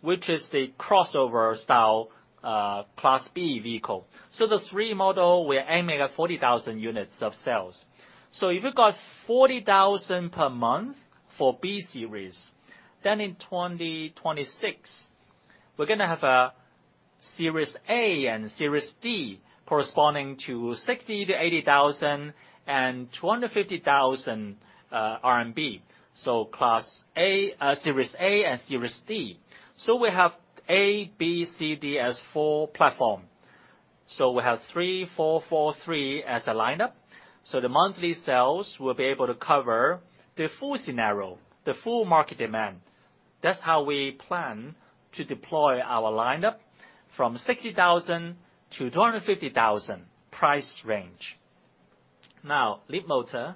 which is the crossover style, Class B vehicle. So the three model, we're aiming at 40,000 units of sales. So if you got 40,000 per month for B-Series, then in 2026, we're gonna have a series A and Series D corresponding to 60,000-80,000 and 250,000 RMB. So Class A, Series A and Series D. So we have A, B, C, D as four platform. So we have 3, 4, 4, 3 as a lineup, so the monthly sales will be able to cover the full scenario, the full market demand. That's how we plan to deploy our lineup from 60,000-250,000 price range. Now, Leapmotor,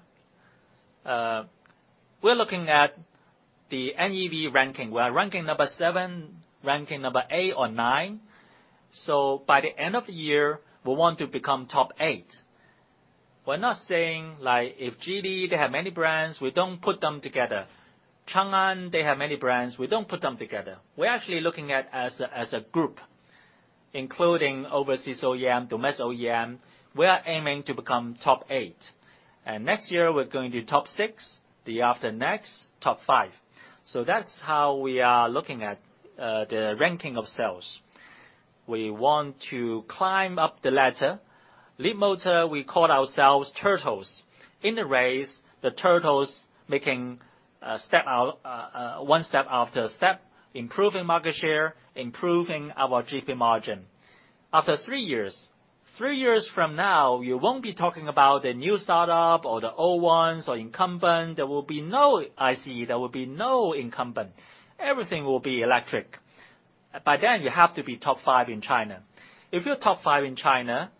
we're looking at the NEV ranking. We're ranking number seven, ranking number eight or nine. So by the end of the year, we want to become top eight. We're not saying, like, if GD, they have many brands, we don't put them together. Changan, they have many brands, we don't put them together. We're actually looking at as a, as a group, including overseas OEM, domestic OEM, we are aiming to become top eight. And next year, we're going to top six, the after next, top five. So that's how we are looking at, the ranking of sales. We want to climb up the ladder. Leapmotor, we call ourselves turtles. In the race, the turtles making, step out, one step after step, improving market share, improving our GP margin. After three years, three years from now, you won't be talking about the new startup or the old ones or incumbent. There will be no ICE. There will be no incumbent. Everything will be electric. By then, you have to be top five in China. If you're top five in China,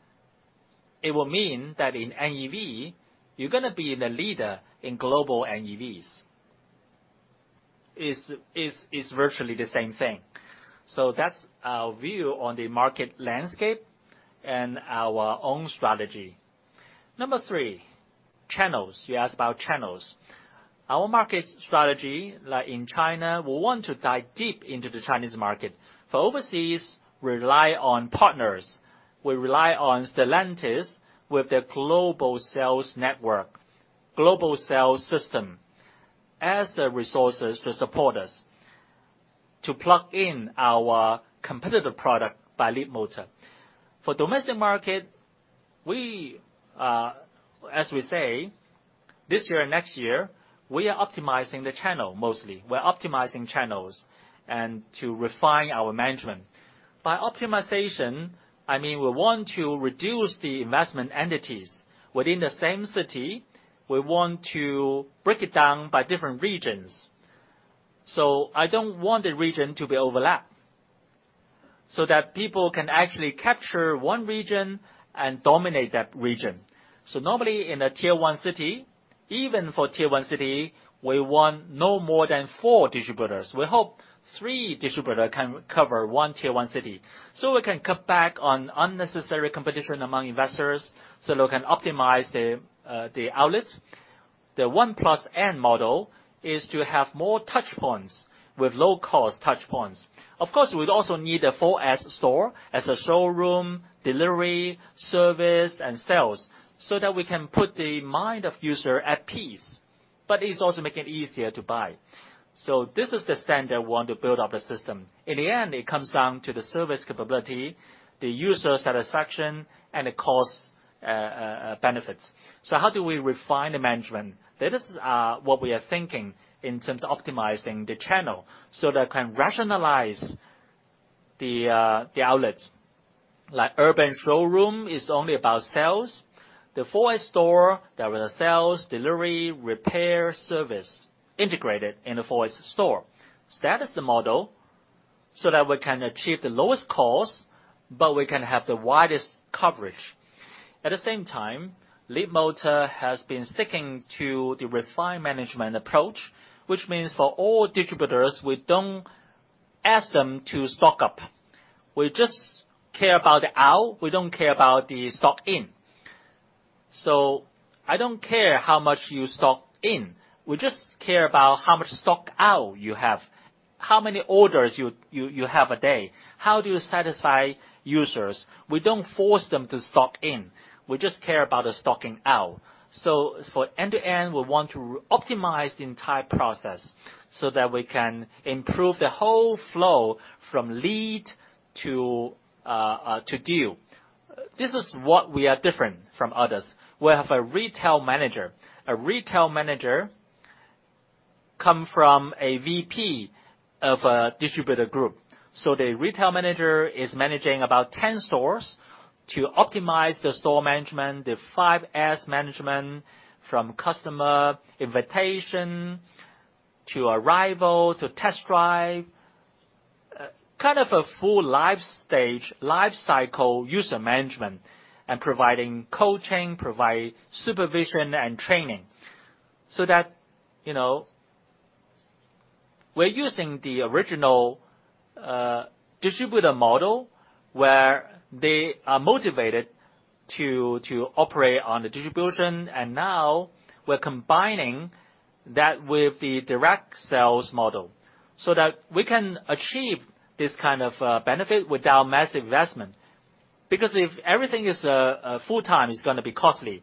it will mean that in NEV, you're gonna be the leader in global NEVs. It's, it's, it's virtually the same thing. So that's our view on the market landscape and our own strategy. Number three, channels. You asked about channels. Our market strategy, like in China, we want to dive deep into the Chinese market. For overseas, we rely on partners. We rely on Stellantis with their global sales network, global sales system, as the resources to support us, to plug in our competitive product by Leapmotor. For domestic market, we, as we say, this year and next year, we are optimizing the channel mostly. We're optimizing channels and to refine our management. By optimization, I mean, we want to reduce the investment entities. Within the same city, we want to break it down by different regions. So I don't want the region to be overlapped, so that people can actually capture one region and dominate that region. So normally, in a Tier 1 city, even for Tier 1 city, we want no more than four distributors. We hope three distributor can cover one Tier 1 city. So we can cut back on unnecessary competition among investors, so we can optimize the, the outlets. The 1+N model is to have more touch points with low-cost touch points. Of course, we'd also need a full 4S store as a showroom, delivery, service, and sales, so that we can put the mind of user at peace, but it's also making it easier to buy. So this is the standard we want to build up the system. In the end, it comes down to the service capability, the user satisfaction, and the cost benefits. So how do we refine the management? This is what we are thinking in terms of optimizing the channel, so that it can rationalize the outlets. Like urban showroom is only about sales. The 4S store, there are the sales, delivery, repair, service integrated in the 4S store. That is the model, so that we can achieve the lowest cost, but we can have the widest coverage. At the same time, Leapmotor has been sticking to the refined management approach, which means for all distributors, we don't ask them to stock up. We just care about the out, we don't care about the stock in. So I don't care how much you stock in. We just care about how much stock out you have, how many orders you have a day, how do you satisfy users? We don't force them to stock in. We just care about the stocking out. So for end-to-end, we want to optimize the entire process, so that we can improve the whole flow from lead to to deal. This is what we are different from others. We have a retail manager. A retail manager come from a VP of a distributor group. So the retail manager is managing about 10 stores to optimize the store management, the 5S management, from customer invitation, to arrival, to test drive, kind of a full life stage, life cycle, user management, and providing coaching, providing supervision and training. So that, you know, we're using the original distributor model, where they are motivated to, to operate on the distribution, and now we're combining that with the direct sales model so that we can achieve this kind of benefit with our mass investment. Because if everything is full-time, it's gonna be costly.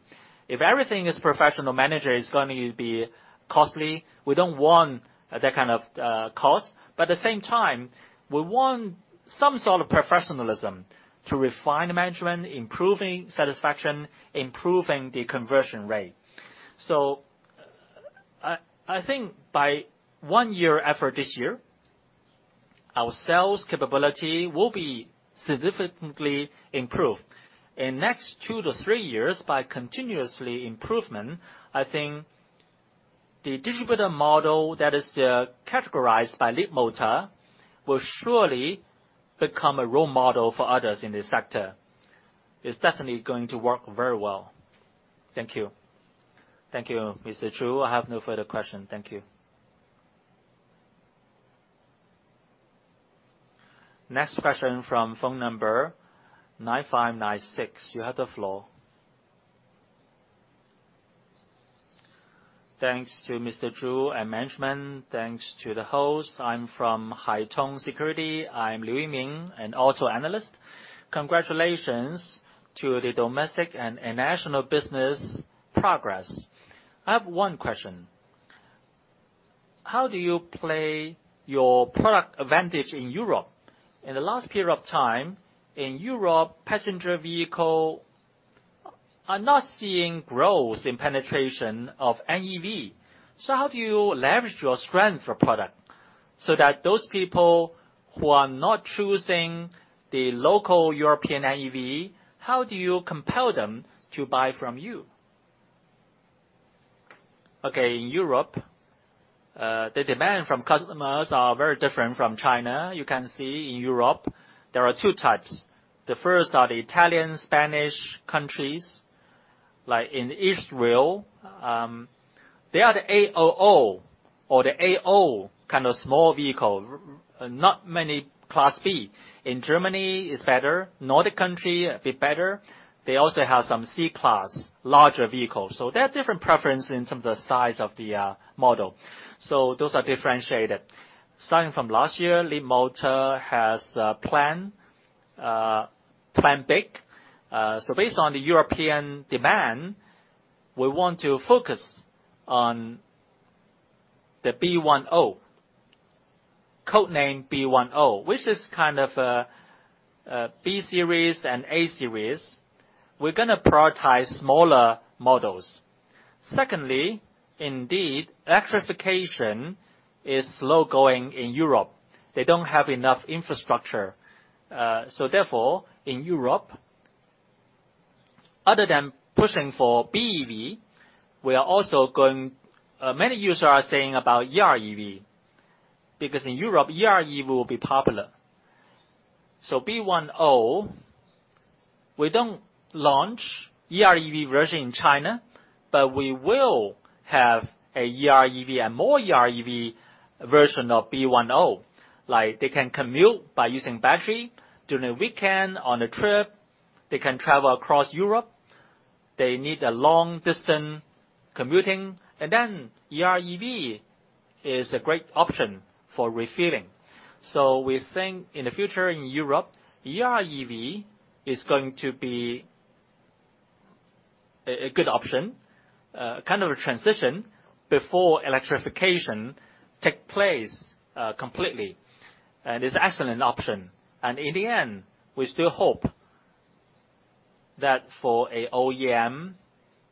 If everything is professional manager, it's going to be costly. We don't want that kind of cost, but at the same time, we want some sort of professionalism to refine the management, improving satisfaction, improving the conversion rate. So I, I think by one year effort this year, our sales capability will be significantly improved. In next two to three years, by continuously improvement, I think the distributor model that is, categorized by Leapmotor will surely become a role model for others in this sector. It's definitely going to work very well. Thank you. Thank you, Mr. Zhu. I have no further question. Thank you. Next question from phone number 9596. You have the floor. Thanks to Mr. Zhu and management, thanks to the host. I'm from Haitong Securities. I'm Liu Yiming, an auto analyst. Congratulations to the domestic and international business progress. I have one question: How do you play your product advantage in Europe? In the last period of time, in Europe, passenger vehicle are not seeing growth in penetration of NEV. So how do you leverage your strength or product so that those people who are not choosing the local European NEV, how do you compel them to buy from you? Okay, in Europe, the demand from customers are very different from China. You can see in Europe, there are two types. The first are the Italian, Spanish countries, like in Israel, they are the A0 or the A0 kind of small vehicle, not many Class B. In Germany, it's better. Nordic country, a bit better. They also have some C-class, larger vehicles. So there are different preference in terms of the size of the, model. So those are differentiated. Starting from last year, Leapmotor has planned big. So based on the European demand, we want to focus on the B10, code name B10, which is kind of, a B-Series and A-Series. We're gonna prioritize smaller models. Secondly, indeed, electrification is slow going in Europe. They don't have enough infrastructure. So therefore, in Europe, other than pushing for BEV, we are also going... Many users are saying about EREV, because in Europe, EREV will be popular. So B10, we don't launch EREV version in China, but we will have a EREV and more EREV version of B10. Like, they can commute by using battery during the weekend, on a trip. They can travel across Europe. They need a long distance commuting, and then EREV is a great option for refueling. So we think in the future in Europe, EREV is going to be a, a good option, kind of a transition before electrification take place, completely. And it's excellent option. In the end, we still hope that for a OEM,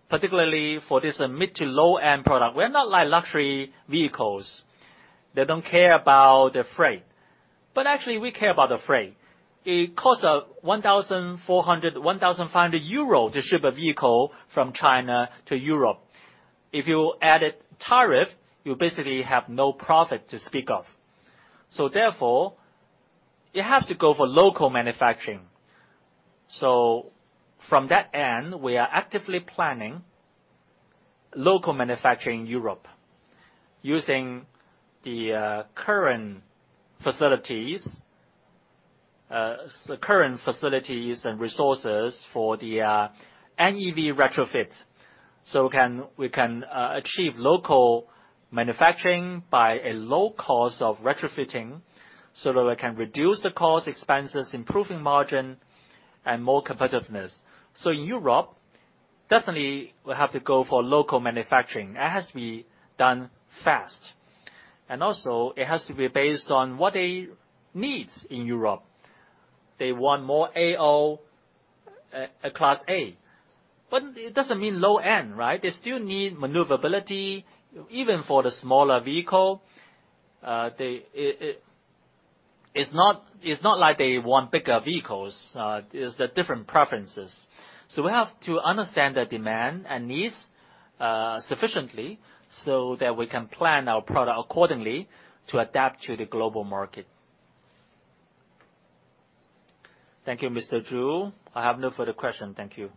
particularly for this mid to low-end product, we're not like luxury vehicles, they don't care about the freight. But actually, we care about the freight. It costs 1,400-1,500 euro to ship a vehicle from China to Europe. If you added tariff, you basically have no profit to speak of. So therefore, you have to go for local manufacturing. So from that end, we are actively planning local manufacturing in Europe, using the current facilities and resources for the NEV retrofits. So we can achieve local manufacturing by a low cost of retrofitting, so that we can reduce the cost, expenses, improving margin, and more competitiveness. So in Europe, definitely, we have to go for local manufacturing. It has to be done fast. And also, it has to be based on what they need in Europe. They want more AO, Class A, but it doesn't mean low-end, right? They still need maneuverability, even for the smaller vehicle. They, it's not like they want bigger vehicles, it's the different preferences. So we have to understand their demand and needs sufficiently, so that we can plan our product accordingly to adapt to the global market. Thank you, Mr. Zhu. I have no further question. Thank you.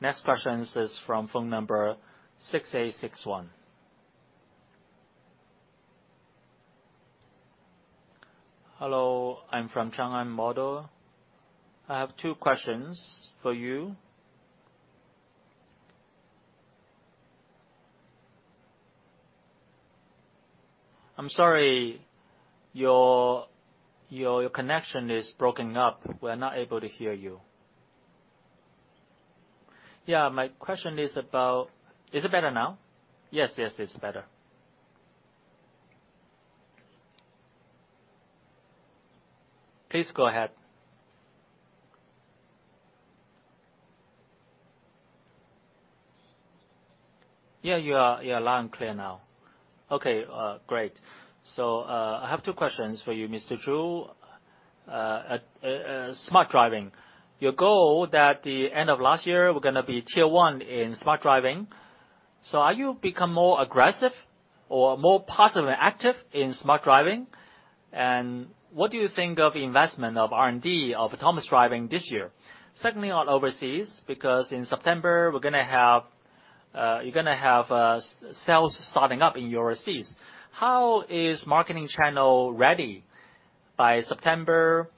Next question is from phone number 6861. Hello, I'm from Shanghai Securities. I have two questions for you. I'm sorry, your, your connection is broken up. We're not able to hear you. Yeah, my question is about— Is it better now? Yes, yes, it's better. Please go ahead. Yeah, you are, you're loud and clear now. Okay, great. So, I have two questions for you, Mr. Zhu. At smart driving. Your goal that the end of last year, we're gonna be tier one in smart driving. So are you become more aggressive or more positive and active in smart driving? And what do you think of investment of R&D, of autonomous driving this year? Secondly, on overseas, because in September, we're gonna have, you're gonna have, sales starting up in overseas. How is marketing channel ready by September?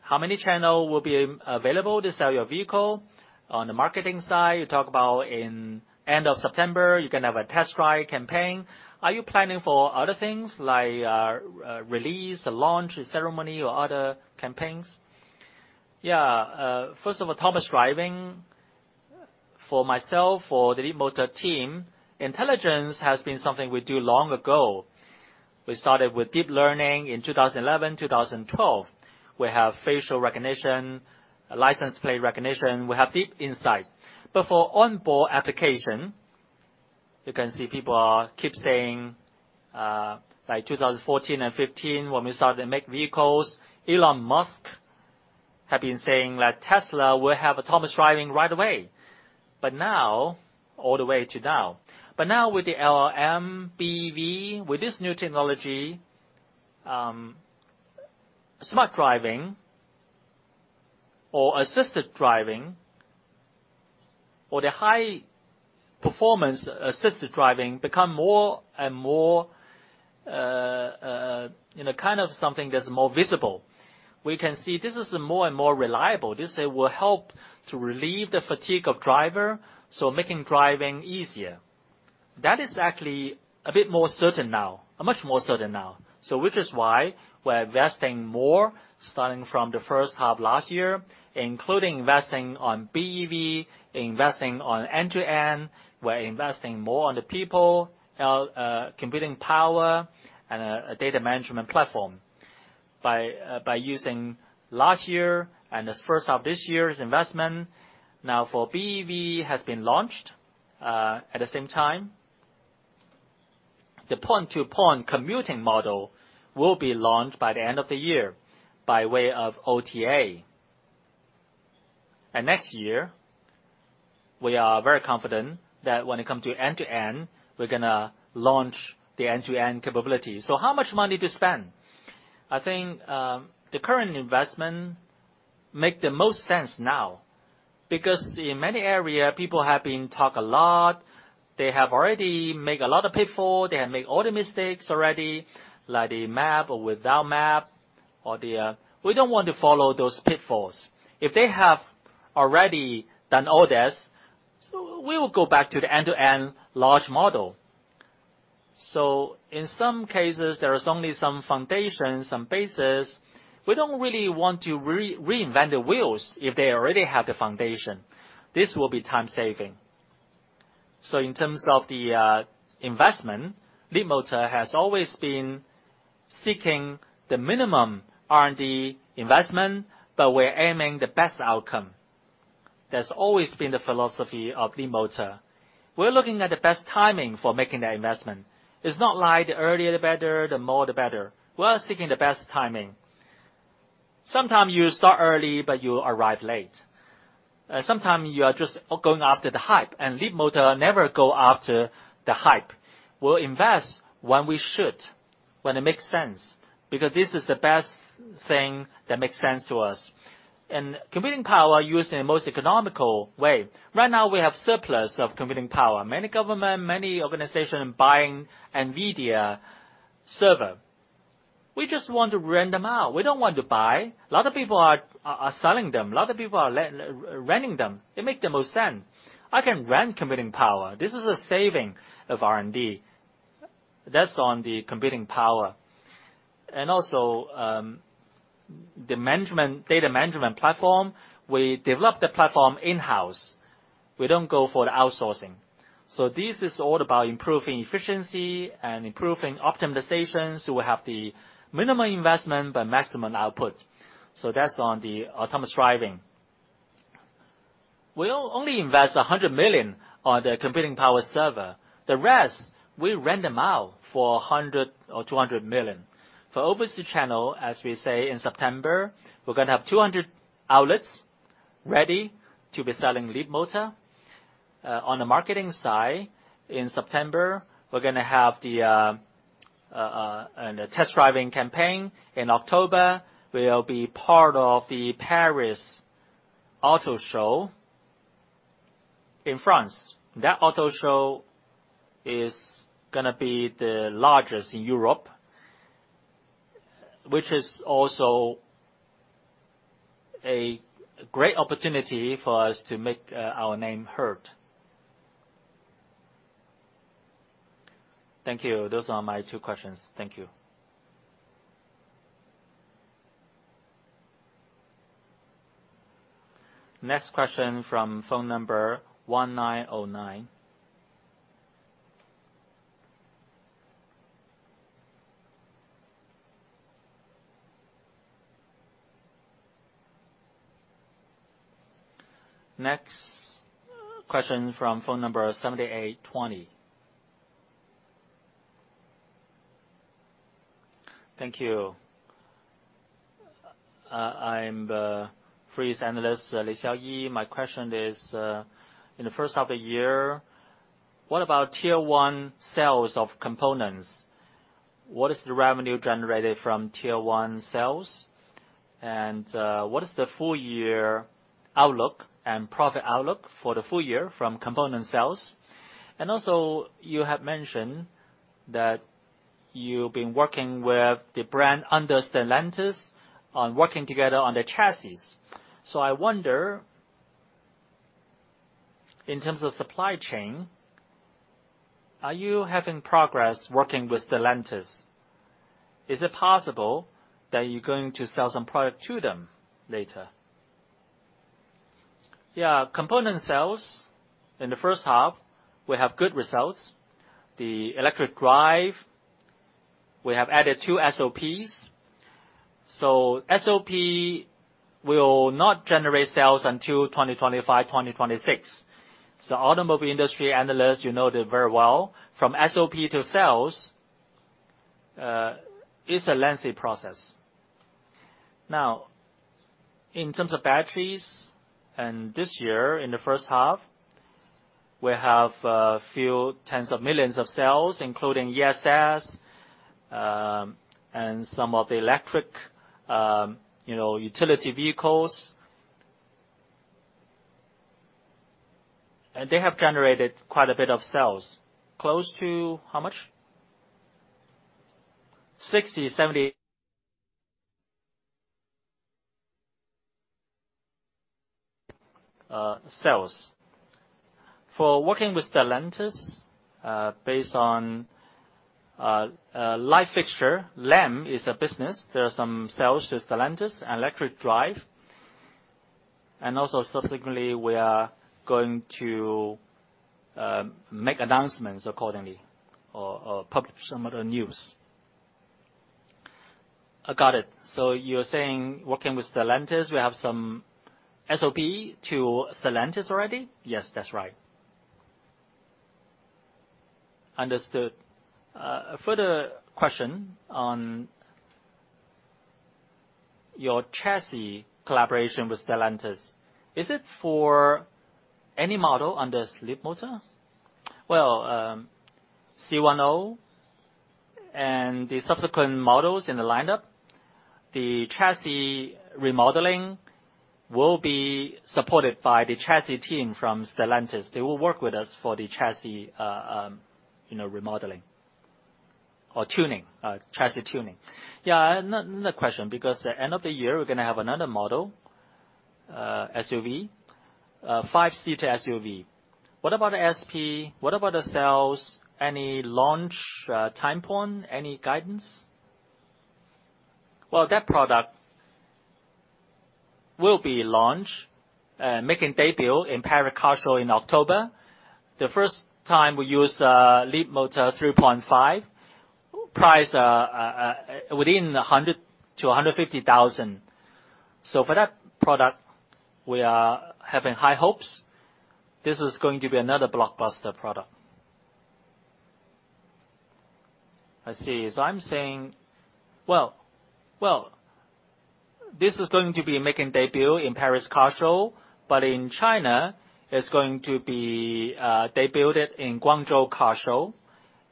How many channel will be available to sell your vehicle? On the marketing side, you talk about in end of September, you're gonna have a test drive campaign. Are you planning for other things, like, a release, a launch ceremony, or other campaigns? Yeah, first of autonomous driving, for myself, for the Leapmotor team, intelligence has been something we do long ago. We started with deep learning in 2011, 2012. We have facial recognition, license plate recognition, we have deep insight. But for onboard application. You can see people are keep saying, by 2014 and 15, when we started to make vehicles, Elon Musk have been saying that Tesla will have autonomous driving right away. But now, all the way to now. But now, with the LLM, BEV, with this new technology, smart driving or assisted driving, or the high performance assisted driving become more and more, you know, kind of something that's more visible. We can see this is more and more reliable. This will help to relieve the fatigue of driver, so making driving easier. That is actually a bit more certain now, much more certain now. So which is why we're investing more, starting from the first half last year, including investing on BEV, investing on end-to-end. We're investing more on the people, computing power, and, data management platform. By using last year and this first half this year's investment, now, for BEV has been launched. At the same time, the point-to-point commuting model will be launched by the end of the year by way of OTA. And next year, we are very confident that when it comes to end-to-end, we're gonna launch the end-to-end capability. So how much money to spend? I think, the current investment make the most sense now, because in many area, people have been talk a lot. They have already make a lot of pitfall, they have made all the mistakes already, like the map or without map, or the. We don't want to follow those pitfalls. If they have already done all this, so we will go back to the end-to-end large model. So in some cases, there is only some foundation, some basis. We don't really want to reinvent the wheels if they already have the foundation. This will be time saving. So in terms of the investment, Leapmotor has always been seeking the minimum R&D investment, but we're aiming the best outcome. That's always been the philosophy of Leapmotor. We're looking at the best timing for making that investment. It's not like the earlier the better, the more the better. We are seeking the best timing. Sometime you start early, but you arrive late. Sometimes you are just going after the hype, and Leapmotor never go after the hype. We'll invest when we should, when it makes sense, because this is the best thing that makes sense to us. And computing power used in a most economical way. Right now, we have surplus of computing power. Many government, many organization buying NVIDIA server. We just want to rent them out. We don't want to buy. A lot of people are selling them. A lot of people are renting them. It make the most sense. I can rent computing power. This is a saving of R&D. That's on the computing power. And also, the management, data management platform, we developed the platform in-house. We don't go for the outsourcing. So this is all about improving efficiency and improving optimization, so we have the minimum investment, but maximum output. So that's on the autonomous driving. We'll only invest 100 million on the computing power server. The rest, we rent them out for 100 million or 200 million. For overseas channel, as we say, in September, we're gonna have 200 outlets ready to be selling Leapmotor. On the marketing side, in September, we're gonna have a test driving campaign. In October, we'll be part of the Paris Auto Show in France. That auto show is gonna be the largest in Europe, which is also a great opportunity for us to make our name heard. Thank you. Those are my two questions. Thank you. Next question from phone number 1909. Next question from phone number 7820. Thank you. I'm Jefferies analyst, Li Xiaoyi. My question is, in the first half of the year, what about tier one sales of components? What is the revenue generated from tier one sales? And, what is the full year outlook and profit outlook for the full year from component sales? And also, you have mentioned that you've been working with the brand under Stellantis on working together on the chassis. So I wonder, in terms of supply chain, are you having progress working with Stellantis? Is it possible that you're going to sell some product to them later? Yeah, component sales in the first half, we have good results. We have added two SOPs. So SOP will not generate sales until 2025, 2026. So automobile industry analysts, you know that very well, from SOP to sales, is a lengthy process. Now, in terms of batteries, and this year, in the first half, we have a few tens of millions of sales, including ESS, and some of the electric, you know, utility vehicles. And they have generated quite a bit of sales, close to, how much? 60, 70 sales. For working with Stellantis, based on, light fixture, lamps is a business. There are some sales to Stellantis, electric drive, and also subsequently, we are going to, make announcements accordingly or, or publish some of the news. I got it. So you're saying working with Stellantis, we have some SOP to Stellantis already? Yes, that's right. Understood. A further question on your chassis collaboration with Stellantis. Is it for any model under Leapmotor? Well, C10 and the subsequent models in the lineup, the chassis remodeling will be supported by the chassis team from Stellantis. They will work with us for the chassis, you know, remodeling or tuning, chassis tuning. Yeah, another question, because the end of the year, we're gonna have another model, SUV, five-seater SUV. What about the SOP? What about the sales? Any launch time point? Any guidance? Well, that product will be launched, making debut in Paris Car Show in October. The first time we use Leap 3.5. Price within 100,000-150,000. So for that product, we are having high hopes. This is going to be another blockbuster product. I see. Well, this is going to be making debut in Paris Car Show, but in China, it's going to be debuted in Guangzhou Car Show,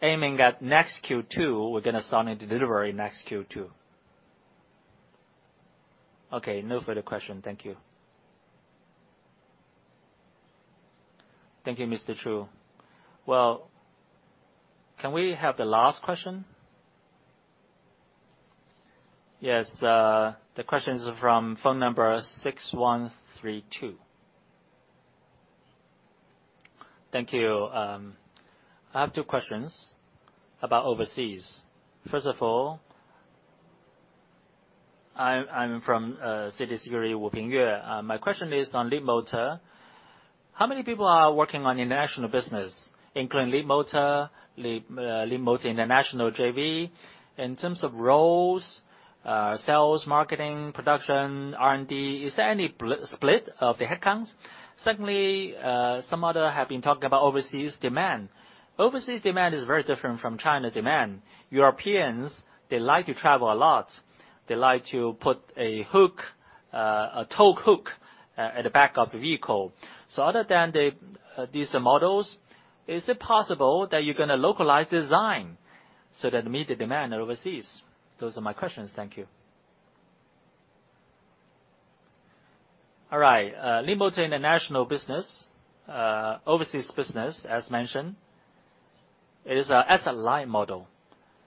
aiming at next Q2. We're gonna start the delivery next Q2. Okay, no further question. Thank you. Thank you, Mr. Zhu. Well, can we have the last question? Yes, the question is from phone number 6132. Thank you. I have two questions about overseas. First of all, I'm from Cinda Securities, Wu Pingyuan. My question is on Leapmotor. How many people are working on international business, including Leapmotor, Leapmotor International JV? In terms of roles, sales, marketing, production, R&D, is there any split of the headcounts? Secondly, some other have been talking about overseas demand. Overseas demand is very different from China demand. Europeans, they like to travel a lot. They like to put a hook, a tow hook, at the back of the vehicle. So other than the, these models, is it possible that you're gonna localize design so that it meet the demand overseas? Those are my questions. Thank you. All right, Leapmotor International business, overseas business, as mentioned, it is a SLI model.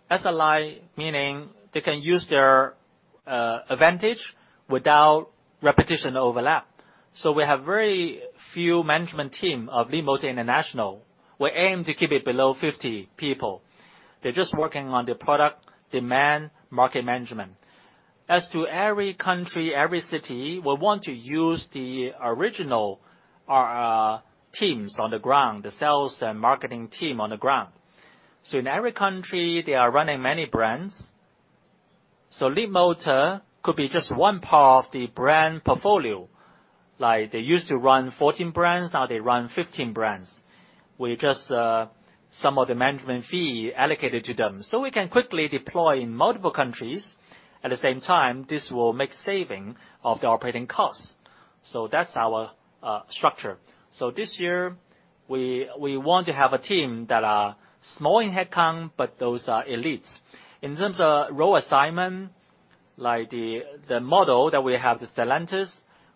SLI, meaning they can use their advantage without repetition overlap. So we have very few management team of Leapmotor International. We aim to keep it below 50 people. They're just working on the product, demand, market management. As to every country, every city, we want to use the original, teams on the ground, the sales and marketing team on the ground. So in every country, they are running many brands. So Leapmotor could be just one part of the brand portfolio. Like, they used to run 14 brands, now they run 15 brands. We just, some of the management fee allocated to them, so we can quickly deploy in multiple countries. At the same time, this will make saving of the operating costs. So that's our, structure. So this year, we, we want to have a team that are small in headcount, but those are elites. In terms of role assignment, like the, the model that we have, the Stellantis,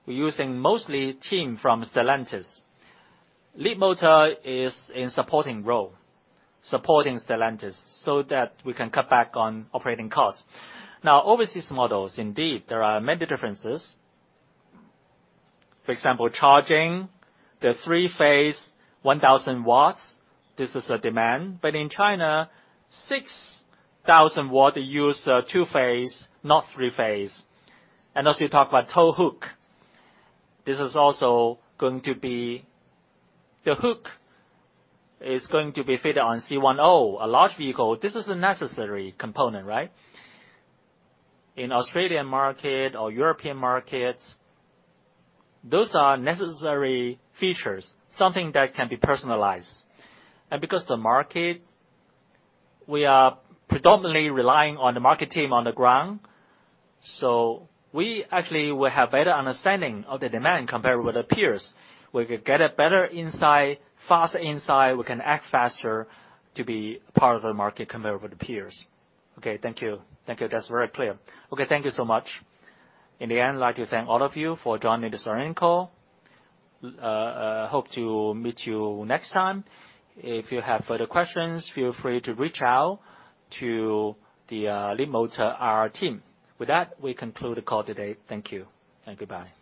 we're using mostly team from Stellantis. Leapmotor is in supporting role, supporting Stellantis, so that we can cut back on operating costs. Now, overseas models, indeed, there are many differences. For example, charging, the three-phase, 1,000 watts, this is a demand, but in China, 6,000-watt use, two-phase, not three-phase. As you talk about tow hook, this is also going to be... The hook is going to be fitted on C10, a large vehicle. This is a necessary component, right? In Australian market or European markets, those are necessary features, something that can be personalized. And because the market, we are predominantly relying on the market team on the ground, so we actually will have better understanding of the demand compared with our peers. We could get a better insight, faster insight, we can act faster to be part of the market compared with the peers. Okay, thank you. Thank you. That's very clear. Okay, thank you so much. In the end, I'd like to thank all of you for joining this earnings call. Hope to meet you next time. If you have further questions, feel free to reach out to the, Leapmotor, our team. With that, we conclude the call today. Thank you, and goodbye.